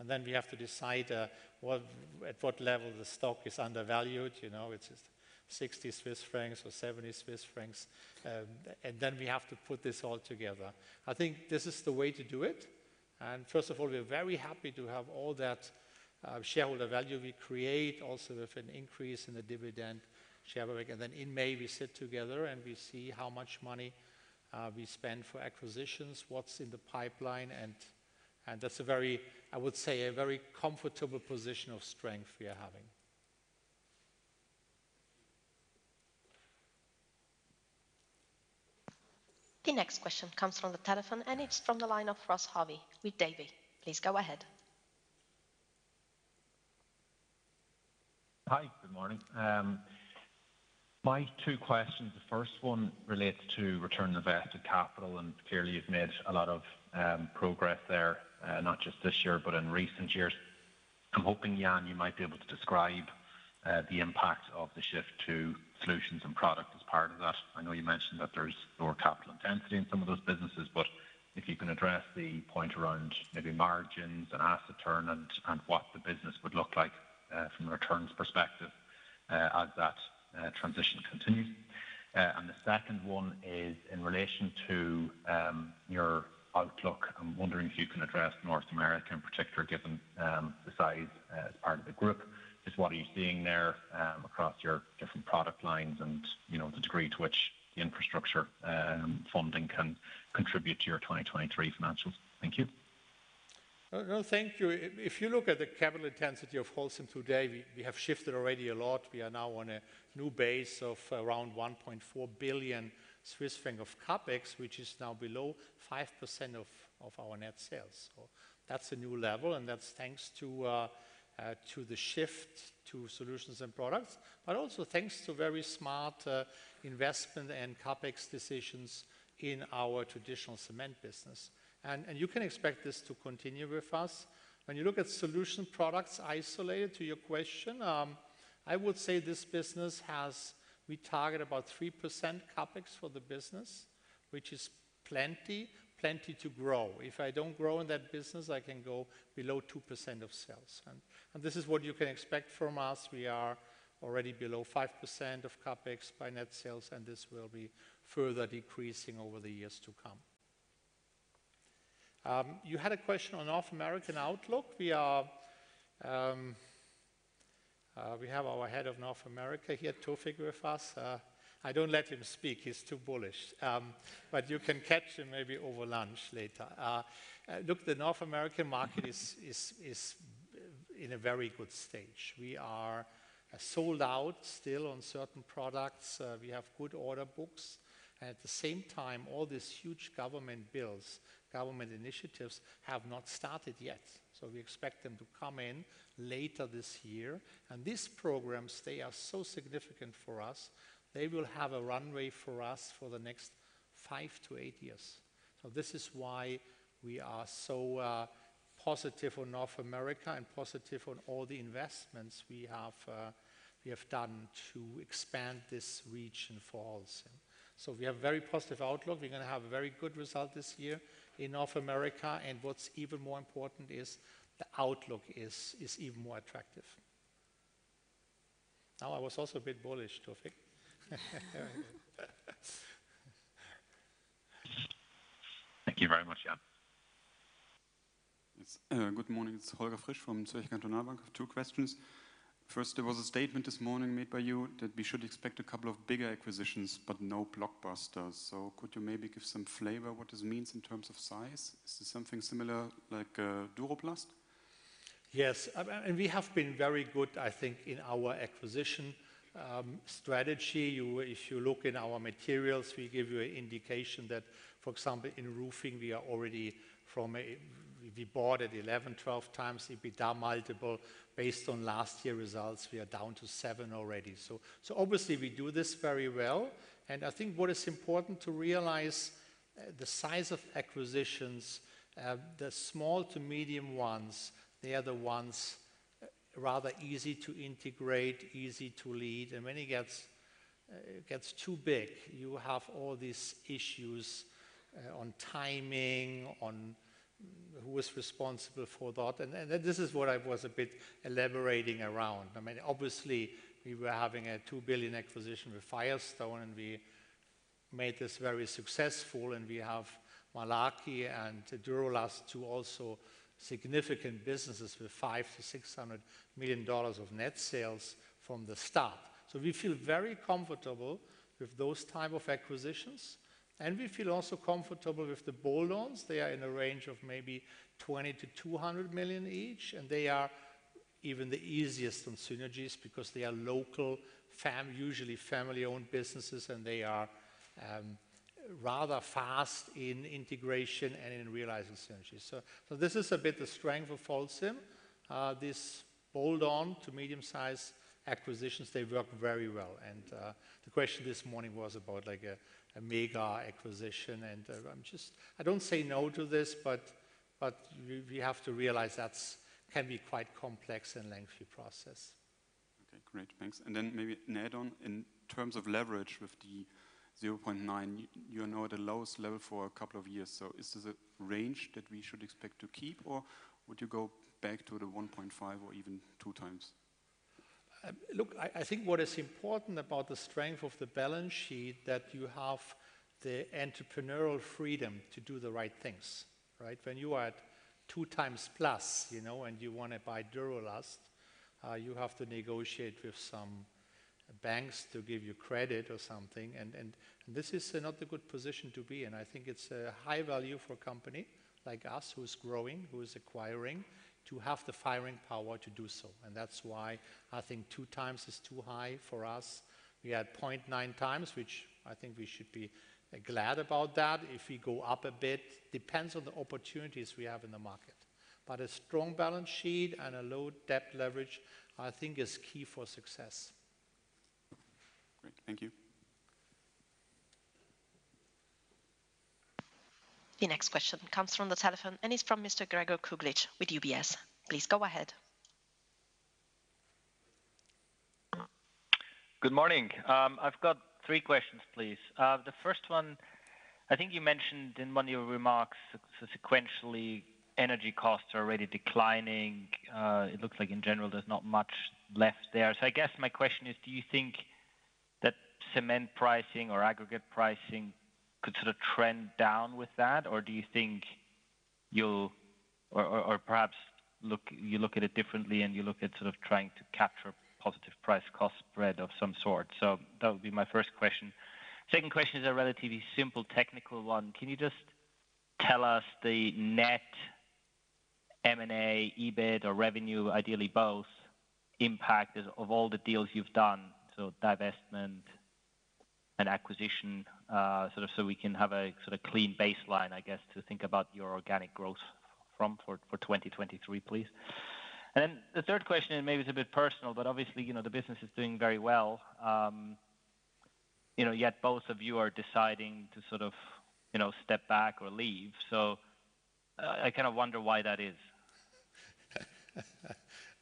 Then we have to decide at what level the stock is undervalued. it's 60 Swiss francs or 70 Swiss francs. Then we have to put this all together. I think this is the way to do it. First of all, we're very happy to have all that shareholder value we create also with an increase in the dividend share. Then in May, we sit together, and we see how much money we spend for acquisitions, what's in the pipeline, and that's a very, I would say, a very comfortable position of strength we are having. The next question comes from the telephone, and it's from the line of Ross Harvey with Davy. Please go ahead. Hi. Good morning. My two questions, the first one relates to return on invested capital, and clearly you've made a lot of progress there, not just this year, but in recent years. I'm hoping, Jan, you might be able to describe the impact of the shift to Solutions & Products as part of that. I know you mentioned that there's lower capital intensity in some of those businesses, but if you can address the point around maybe margins and asset turn and what the business would look like from a returns perspective as that transition continues. The second one is in relation to your outlook. I'm wondering if you can address North America in particular, given the size as part of the group. Just what are you seeing there, across your different product lines and the degree to which the infrastructure funding can contribute to your 2023 financials. Thank you. No, thank you. If you look at the capital intensity of Holcim today, we have shifted already a lot. We are now on a new base of around 1.4 billion Swiss franc of CapEx, which is now below 5% of our net sales. That's a new level, and that's thanks to the shift to Solutions & Products, but also thanks to very smart investment and CapEx decisions in our traditional cement business. You can expect this to continue with us. When you look at Solutions & Products isolated to your question, I would say this business we target about 3% CapEx for the business, which is plenty to grow. If I don't grow in that business, I can go below 2% of sales. This is what you can expect from us. We are already below 5% of CapEx by net sales, and this will be further decreasing over the years to come. You had a question on North American outlook. We are, we have our head of North America here, Tofiq, with us. I don't let him speak. He's too bullish. You can catch him maybe over lunch later. Look, the North American market is in a very good stage. We are sold out still on certain products. We have good order books. At the same time, all these huge government bills, government initiatives have not started yet. We expect them to come in later this year. These programs, they are so significant for us. They will have a runway for us for the next 5 to 8 years. This is why we are so positive on North America and positive on all the investments we have done to expand this region for Holcim. We have very positive outlook. We're going to have a very good result this year in North America, and what's even more important is the outlook is even more attractive. I was also a bit bullish, Tofiq. Thank you very much. Yeah. It's good morning. It's Holger Frisch from Zürcher Kantonalbank. I have two questions. First, there was a statement this morning made by you that we should expect a couple of bigger acquisitions, but no blockbusters. Could you maybe give some flavor what this means in terms of size? Is this something similar like Duro-Last? Yes. And we have been very good, I think, in our acquisition strategy. If you look in our materials, we give you an indication that, for example, in roofing we are already. We bought at 11, 12 times EBITDA multiple. Based on last year results, we are down to seven already. Obviously we do this very well. I think what is important to realize, the size of acquisitions, the small to medium ones, they are the ones rather easy to integrate, easy to lead. When it gets, it gets too big, you have all these issues on timing, on who is responsible for that. This is what I was a bit elaborating around. I mean, obviously we were having a $2 billion acquisition with Firestone, and we made this very successful. We have Malarkey and DuraLast, two also significant businesses with $500 to 600 million of net sales from the start. We feel very comfortable with those type of acquisitions. We feel also comfortable with the bolt-ons. They are in a range of maybe $20 to 200 million each, and they are even the easiest on synergies because they are local usually family-owned businesses, and they are rather fast in integration and in realizing synergies. This is a bit the strength of Holcim. These bolt-on to medium size acquisitions, they work very well. The question this morning was about a mega acquisition. I don't say no to this, but we have to realize that's can be quite complex and lengthy process. Okay. Great. Thanks. Then maybe an add-on. In terms of leverage with the 0.9, you are now at the lowest level for a couple of years. Is this a range that we should expect to keep, or would you go back to the 1.5 or even two times? look, I think what is important about the strength of the balance sheet, that you have the entrepreneurial freedom to do the right things, right? When you are at two times plus, and you want to buy Duro-Last, you have to negotiate with some banks to give you credit or something. This is not a good position to be in. I think it's a high value for a company like us who is growing, who is acquiring, to have the firing power to do so. That's why I think two times is too high for us. We are at 0.9 times, which I think we should be glad about that. If we go up a bit, depends on the opportunities we have in the market. A strong balance sheet and a low debt leverage, I think is key for success. Great. Thank you. The next question comes from the telephone, and it's from Mr. Gregor Kuglitsch with UBS. Please go ahead. Good morning. I've got three questions, please. The first one, I think you mentioned in one of your remarks sequentially energy costs are already declining. It looks like in general there's not much left there. I guess my question is, do you think that cement pricing or aggregate pricing could sort of trend down with that? Perhaps look, you look at it differently and you look at sort of trying to capture positive price cost spread of some sort. That would be my first question. Second question is a relatively simple technical one. Can you just tell us the net M&A, EBIT, or revenue, ideally both, impact of all the deals you've done, so divestment and acquisition, sort of so we can have a sort of clean baseline, I guess, to think about your organic growth from for 2023, please? The third question, and maybe it's a bit personal, but obviously, the business is doing very well. yet both of you are deciding to sort of, step back or leave. I kind of wonder why that is?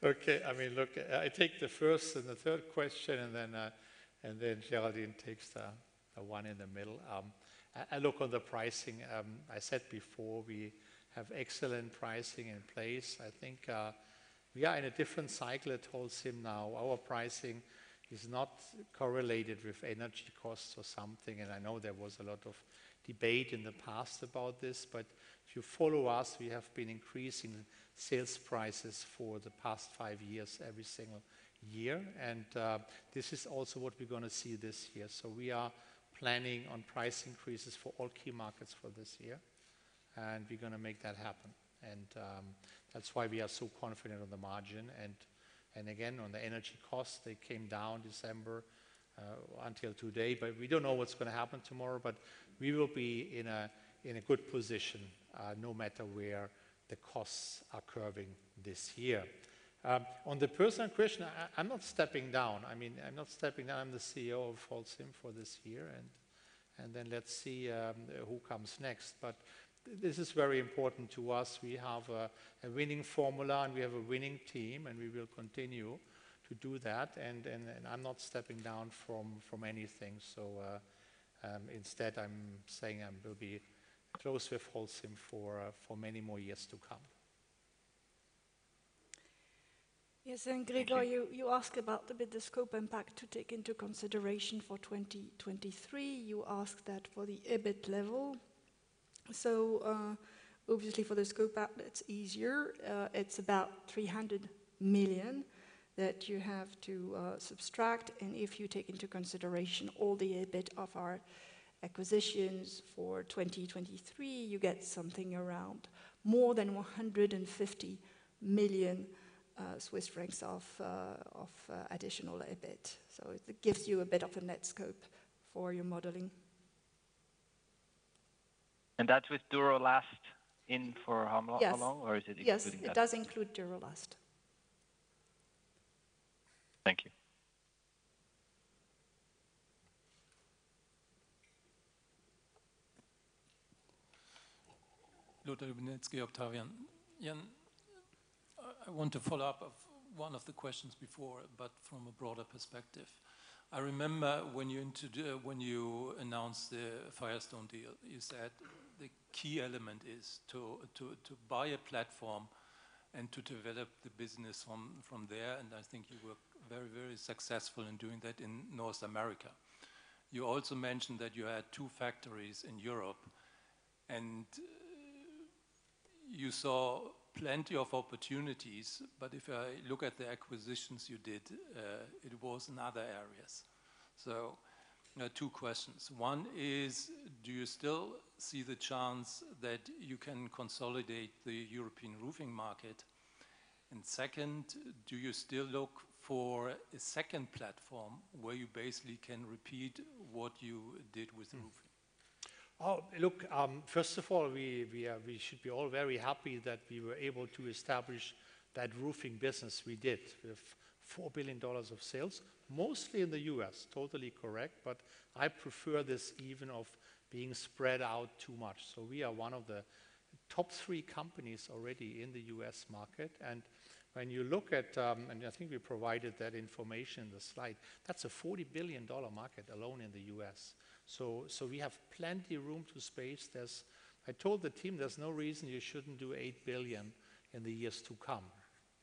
I mean, look, I take the first and the third question. Geraldine takes the one in the middle. I look on the pricing. I said before we have excellent pricing in place. I think, we are in a different cycle at Holcim now. Our pricing is not correlated with energy costs or something. I know there was a lot of debate in the past about this. If you follow us, we have been increasing sales prices for the past five years every single year. This is also what we're going to see this year. We are planning on price increases for all key markets for this year. We're going to make that happen. That's why we are so confident on the margin. Again, on the energy costs, they came down December until today. We don't know what's going to happen tomorrow, but we will be in a good position no matter where the costs are curving this year. On the personal question, I'm not stepping down. I mean, I'm not stepping down. I'm the CEO of Holcim for this year, and then let's see who comes next. This is very important to us. We have a winning formula, and we have a winning team, and we will continue to do that. I'm not stepping down from anything. Instead, I'm saying I will be close with Holcim for many more years to come. Yes. Gregor Thank you. You ask about the bid, the scope impact to take into consideration for 2023. You ask that for the EBIT level. Obviously for the scope app, it's easier. It's about 300 million that you have to subtract. If you take into consideration all the EBIT of our acquisitions for 2023, you get something around more than 150 million Swiss francs of additional EBIT. It gives you a bit of a net scope for your modeling. That's with DuroLast in for how long? Yes. or is it including that? Yes, it does include DuroLast. Thank you. Lothar Lubinetzki, Octavian. Jan, I want to follow up of one of the questions before, but from a broader perspective. I remember when you announced the Firestone deal, you said the key element is to buy a platform and to develop the business from there. I think you were very, very successful in doing that in North America. You also mentioned that you had two factories in Europe, and you saw plenty of opportunities. If I look at the acquisitions you did, it was in other areas. Two questions. One is, do you still see the chance that you can consolidate the European roofing market? Second, do you still look for a second platform where you basically can repeat what you did with roofing? Look, first of all, we should be all very happy that we were able to establish that roofing business we did with $4 billion of sales, mostly in the U.S. Totally correct. I prefer this even of being spread out too much. We are one of the top three companies already in the U.S. market. When you look at, I think we provided that information in the slide. That's a $40 billion market alone in the U.S. We have plenty room to space. I told the team there's no reason you shouldn't do $8 billion in the years to come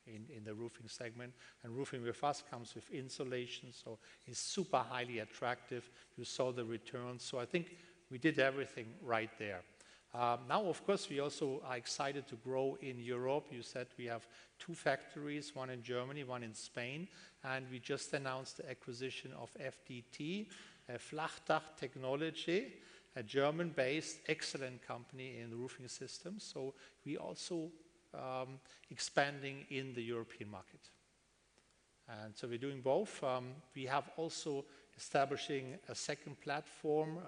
in the roofing segment. Roofing with us comes with insulation, so it's super highly attractive. You saw the returns. I think we did everything right there. Now of course, we also are excited to grow in Europe. You said we have two factories, one in Germany, one in Spain, and we just announced the acquisition of FDT Flachdach Technologie, a German-based excellent company in roofing systems. We also expanding in the European market. We're doing both. We have also establishing a second platform,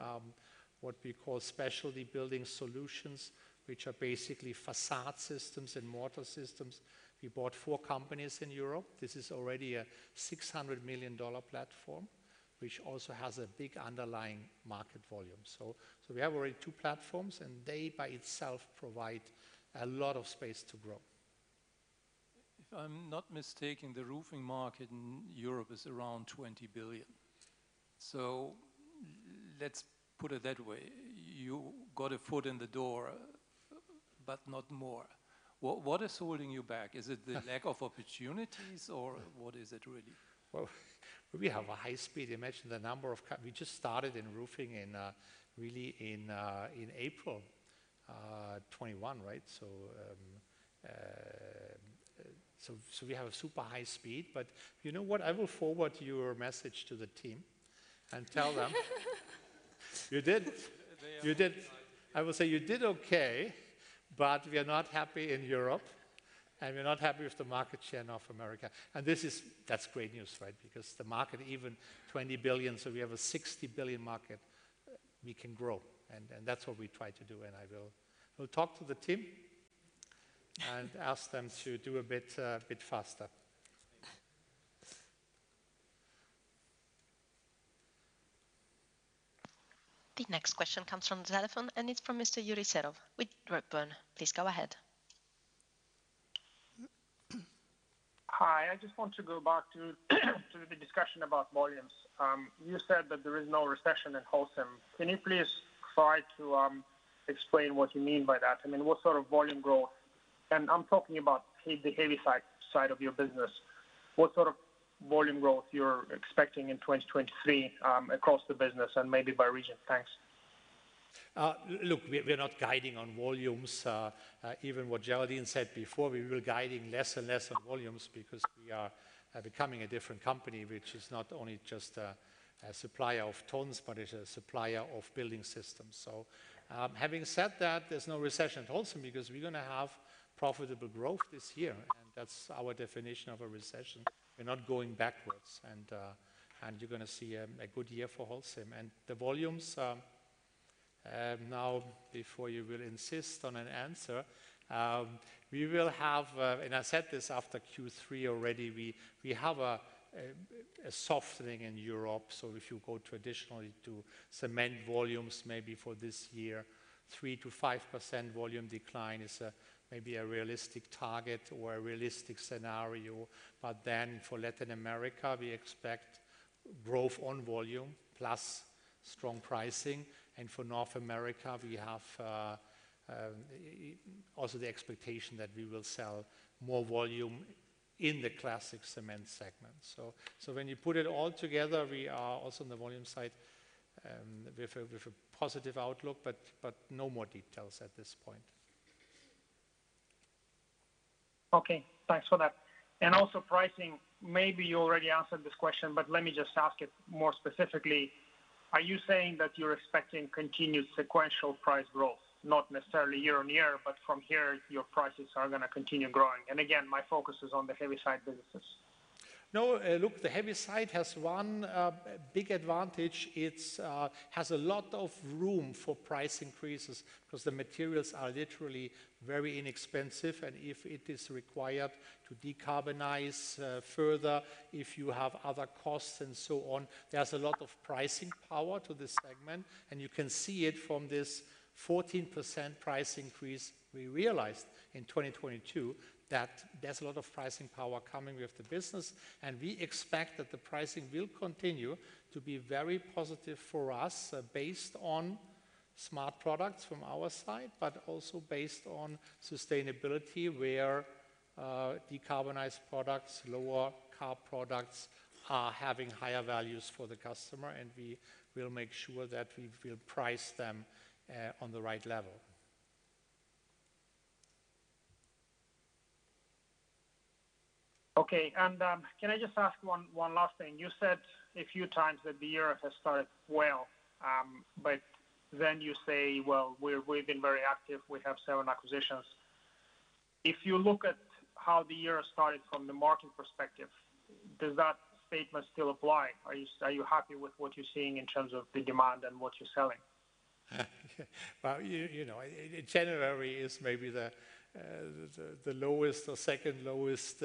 what we call specialty building solutions, which are basically facade systems and mortar systems. We bought 4 companies in Europe. This is already a $600 million platform, which also has a big underlying market volume. So we have already two platforms, and they by itself provide a lot of space to grow. If I'm not mistaken, the roofing market in Europe is around 20 billion. Let's put it that way. You got a foot in the door, but not more. What is holding you back? Is it the lack of opportunities or what is it really? Well, we have a high speed. Imagine the number of. We just started in roofing in really in April 2021, right? We have a super high speed. what? I will forward your message to the team and tell them. You did. I will say you did okay, but we are not happy in Europe, and we're not happy with the market share in North America. That's great news, right? Because the market even $20 billion, so we have a $60 billion market we can grow. That's what we try to do. I will talk to the team and ask them to do a bit a bit faster. The next question comes from the telephone. It's from Mr. Yuri Serov with Bloomberg. Please go ahead. Hi. I just want to go back to the discussion about volumes. You said that there is no recession at Holcim. Can you please try to explain what you mean by that? I mean, what sort of volume growth? I'm talking about the heavy side of your business. What sort of volume growth you're expecting in 2023 across the business and maybe by region? Thanks. Look, we're not guiding on volumes. Even what Geraldine said before, we were guiding less and less on volumes because we are becoming a different company, which is not only just a supplier of tons, but is a supplier of building systems. Having said that, there's no recession at Holcim because we're going to have profitable growth this year. That's our definition of a recession. We're not going backwards. You're going to see a good year for Holcim. The volumes, now before you will insist on an answer, we will have and I said this after Q3 already, we have a softening in Europe. If you go traditionally to cement volumes, maybe for this year, 3% to 5% volume decline is a maybe a realistic target or a realistic scenario. For Latin America, we expect growth on volume plus strong pricing. For North America, we have also the expectation that we will sell more volume in the classic cement segment. When you put it all together, we are also on the volume side with a positive outlook, but no more details at this point. Okay. Thanks for that. Also pricing, maybe you already answered this question, but let me just ask it more specifically. Are you saying that you're expecting continued sequential price growth, not necessarily year on year, but from here your prices are going to continue growing? Again, my focus is on the heavy side businesses. No. Look, the heavy side has one big advantage. It's has a lot of room for price increases because the materials are literally very inexpensive. If it is required to decarbonize further, if you have other costs and so on, there's a lot of pricing power to this segment, and you can see it from this 14% price increase we realized in 2022 that there's a lot of pricing power coming with the business. We expect that the pricing will continue to be very positive for us based on smart products from our side, but also based on sustainability, where decarbonized products, lower-carb products are having higher values for the customer, and we will make sure that we will price them on the right level. Okay. Can I just ask one last thing? You said a few times that the year has started well, you say, "Well, we've been very active. We have seven acquisitions." If you look at how the year started from the market perspective, does that statement still apply? Are you happy with what you're seeing in terms of the demand and what you're selling? Well, in January is maybe the lowest or second lowest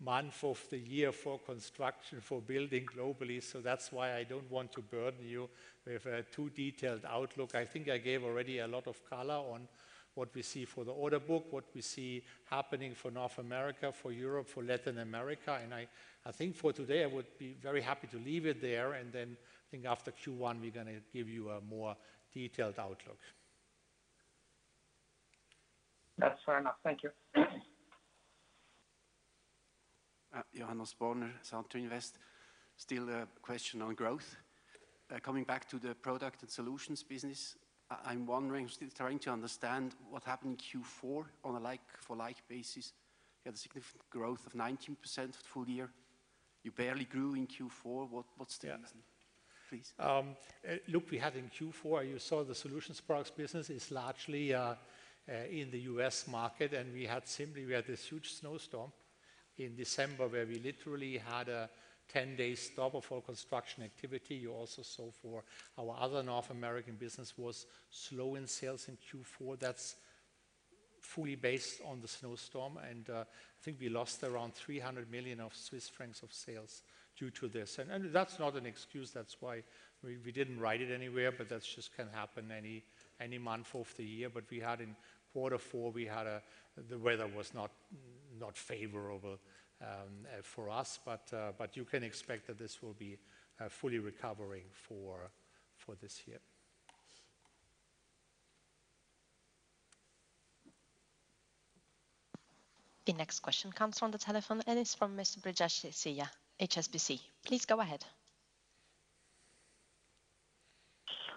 month of the year for construction, for building globally, so that's why I don't want to burden you with a too detailed outlook. I think I gave already a lot of color on what we see for the order book, what we see happening for North America, for Europe, for Latin America. I think for today I would be very happy to leave it there, and then I think after Q1 we're going to give you a more detailed outlook. That's fair enough. Thank you. Johannes Borner, Centurion Invest. Still a question on growth. Coming back to the Solutions & Products business, I'm wondering, still trying to understand what happened in Q4 on a like-for-like basis. You had a significant growth of 19% full year. You barely grew in Q4. What's the reason? Yeah. Please. Look, we had in Q4, you saw the Solutions & Products business is largely in the U.S. market, we had simply, we had this huge snowstorm in December where we literally had a 10-day stop of all construction activity. You also saw for our other North American business was slow in sales in Q4. That's fully based on the snowstorm, I think we lost around 300 million of sales due to this. That's not an excuse. That's why we didn't write it anywhere, that's just can happen any month of the year. We had in quarter four, we had the weather was not favorable for us. You can expect that this will be fully recovering for this year. The next question comes from the telephone and is from Mr. Brijesh Siya, HSBC. Please go ahead.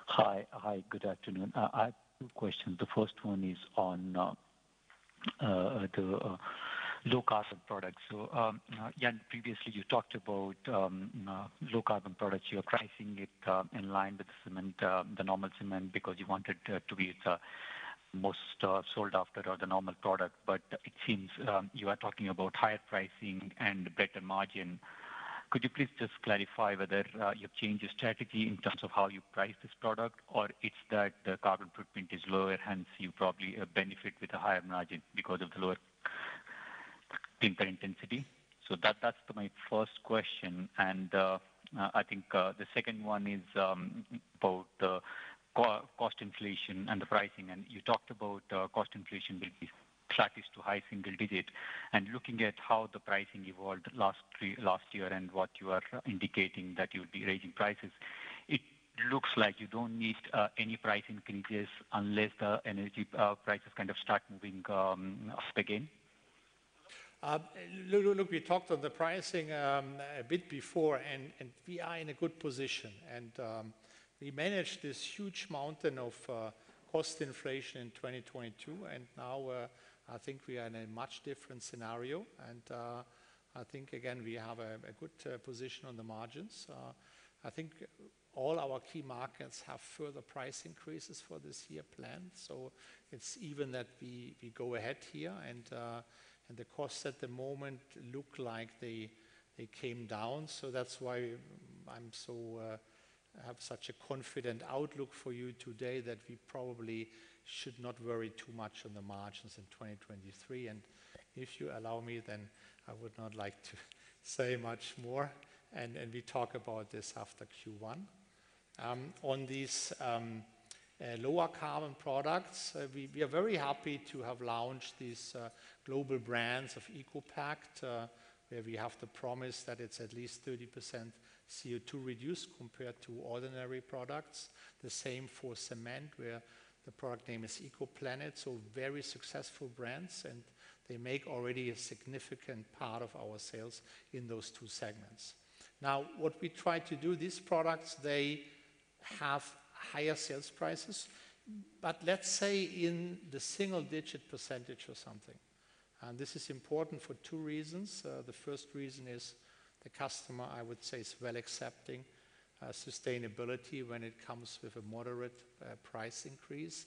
Hi, good afternoon. I have two questions. The first one is on the low-carbon products. Jan, previously you talked about low-carbon products. You are pricing it in line with the cement, the normal cement because you want it to be the most sold after the normal product. It seems you are talking about higher pricing and better margin. Could you please just clarify whether you've changed your strategy in terms of how you price this product, or it's that the carbon footprint is lower, hence you probably benefit with a higher margin because of the lower footprint intensity? That's my first question. I think the second one is about the cost inflation and the pricing. You talked about cost inflation will be flattish to high single-digit. Looking at how the pricing evolved last year and what you are indicating that you'll be raising prices, it looks like you don't need any price increases unless the energy prices kind of start moving up again. Look, we talked on the pricing a bit before and we are in a good position. We managed this huge mountain of cost inflation in 2022, and now I think we are in a much different scenario. I think again, we have a good position on the margins. I think all our key markets have further price increases for this year planned. It's even that we go ahead here and the costs at the moment look like they came down. That's why I'm so have such a confident outlook for you today that we probably should not worry too much on the margins in 2023. If you allow me, then I would not like to say much more and we talk about this after Q1. On these lower carbon products, we are very happy to have launched these global brands of ECOPact, where we have the promise that it's at least 30% CO2 reduced compared to ordinary products. The same for cement, where the product name is ECOPlanet. Very successful brands, and they make already a significant part of our sales in those two segments. What we try to do, these products, they have higher sales prices. Let's say in the single-digit % or something. This is important for two reasons. The first reason is the customer, I would say, is well accepting sustainability when it comes with a moderate price increase.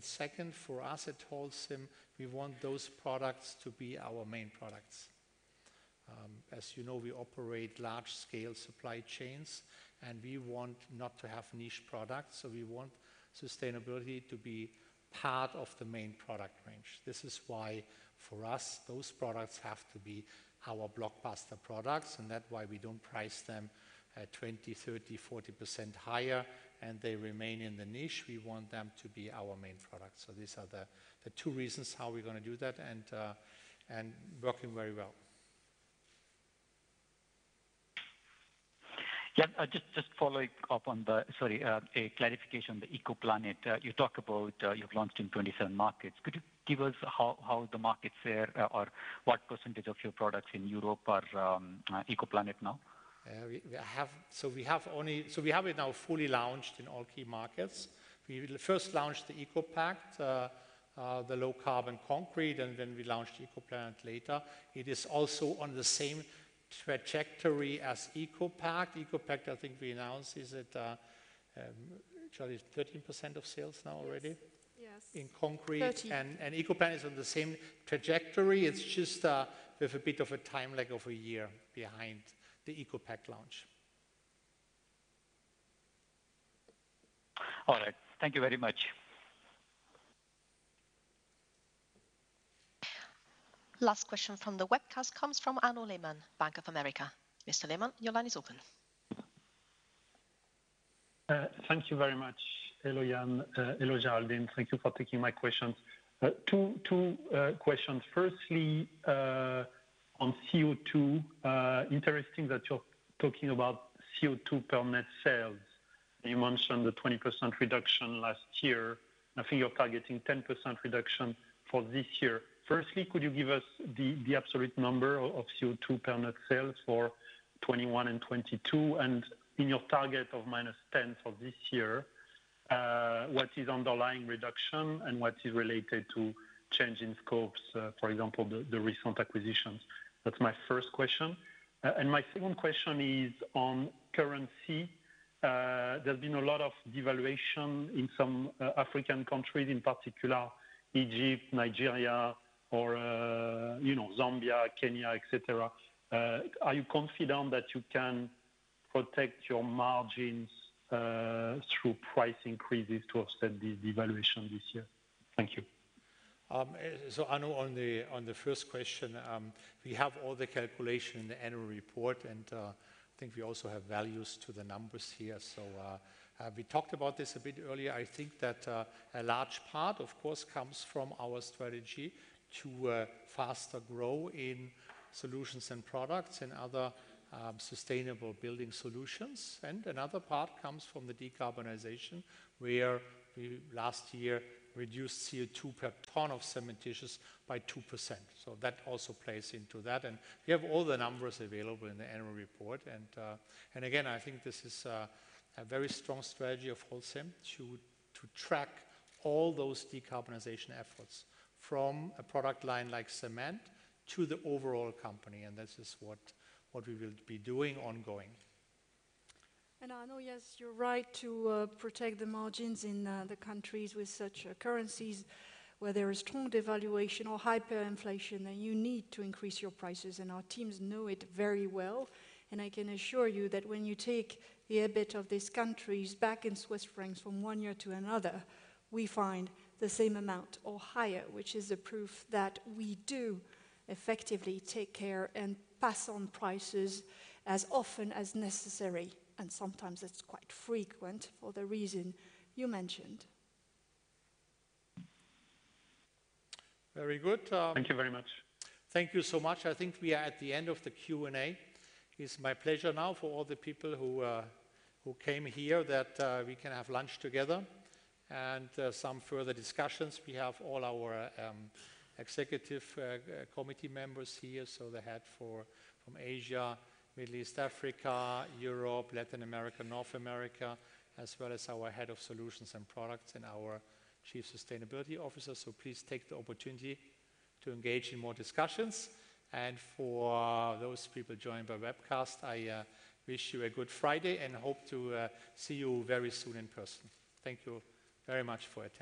Second, for us at Holcim, we want those products to be our main products. As we operate large-scale supply chains. We want not to have niche products. We want sustainability to be part of the main product range. This is why for us, those products have to be our blockbuster products and that why we don't price them at 20%, 30%, 40% higher and they remain in the niche. We want them to be our main product. These are the two reasons how we're going to do that and working very well. Yeah. Just following up. Sorry, a clarification, the ECOPlanet. You talk about you've launched in 27 markets. Could you give us how the markets there or what percentage of your products in Europe are ECOPlanet now? We have it now fully launched in all key markets. We first launched the ECOPact, the low carbon concrete. Then we launched ECOPlanet later. It is also on the same trajectory as ECOPact. ECOPact, I think we announced, is at, Charlie, 13% of sales now already? Yes. In concrete. Thirteen. ECOPlanet is on the same trajectory. It's just with a bit of a time lag of a year behind the ECOPact launch. All right. Thank you very much. Last question from the webcast comes from Arnaud Lehmann, Bank of America. Mr. Lehmann, your line is open. Thank you very much. Hello, Jan. Hello, Geraldine. Thank you for taking my questions. Two questions. On CO2, interesting that you're talking about CO2 per net sales. You mentioned the 20% reduction last year. I think you're targeting 10% reduction for this year. Could you give us the absolute number of CO2 per net sales for 2021 and 2022? In your target of -10% for this year, what is underlying reduction and what is related to change in scopes, for example, the recent acquisitions? That's my first question. My second question is on currency. There's been a lot of devaluation in some African countries, in particular Egypt, Nigeria, or, Zambia, Kenya, et cetera. Are you confident that you can protect your margins through price increases to offset the devaluation this year? Thank you. Arnaud, on the first question, we have all the calculation in the annual report, I think we also have values to the numbers here. We talked about this a bit earlier. I think that a large part, of course, comes from our strategy to faster grow in Solutions and Products and other sustainable building solutions. Another part comes from the decarbonization, where we last year reduced CO2 per ton of cementitious by 2%. That also plays into that. We have all the numbers available in the annual report. Again, I think this is a very strong strategy of Holcim to track all those decarbonization efforts from a product line like cement to the overall company, this is what we will be doing ongoing. Arnaud, yes, you're right to protect the margins in the countries with such currencies where there is strong devaluation or hyperinflation. You need to increase your prices, and our teams know it very well. I can assure you that when you take the EBIT of these countries back in Swiss francs from one year to another, we find the same amount or higher, which is a proof that we do effectively take care and pass on prices as often as necessary. Sometimes it's quite frequent for the reason you mentioned. Very good. Thank you very much. Thank you so much. I think we are at the end of the Q&A. It's my pleasure now for all the people who came here that we can have lunch together and some further discussions. We have all our executive committee members here. The head from Asia, Middle East, Africa, Europe, Latin America, North America, as well as our head of Solutions & Products and our chief sustainability officer. Please take the opportunity to engage in more discussions. For those people joined by webcast, I wish you a good Friday and hope to see you very soon in person. Thank you very much for attending.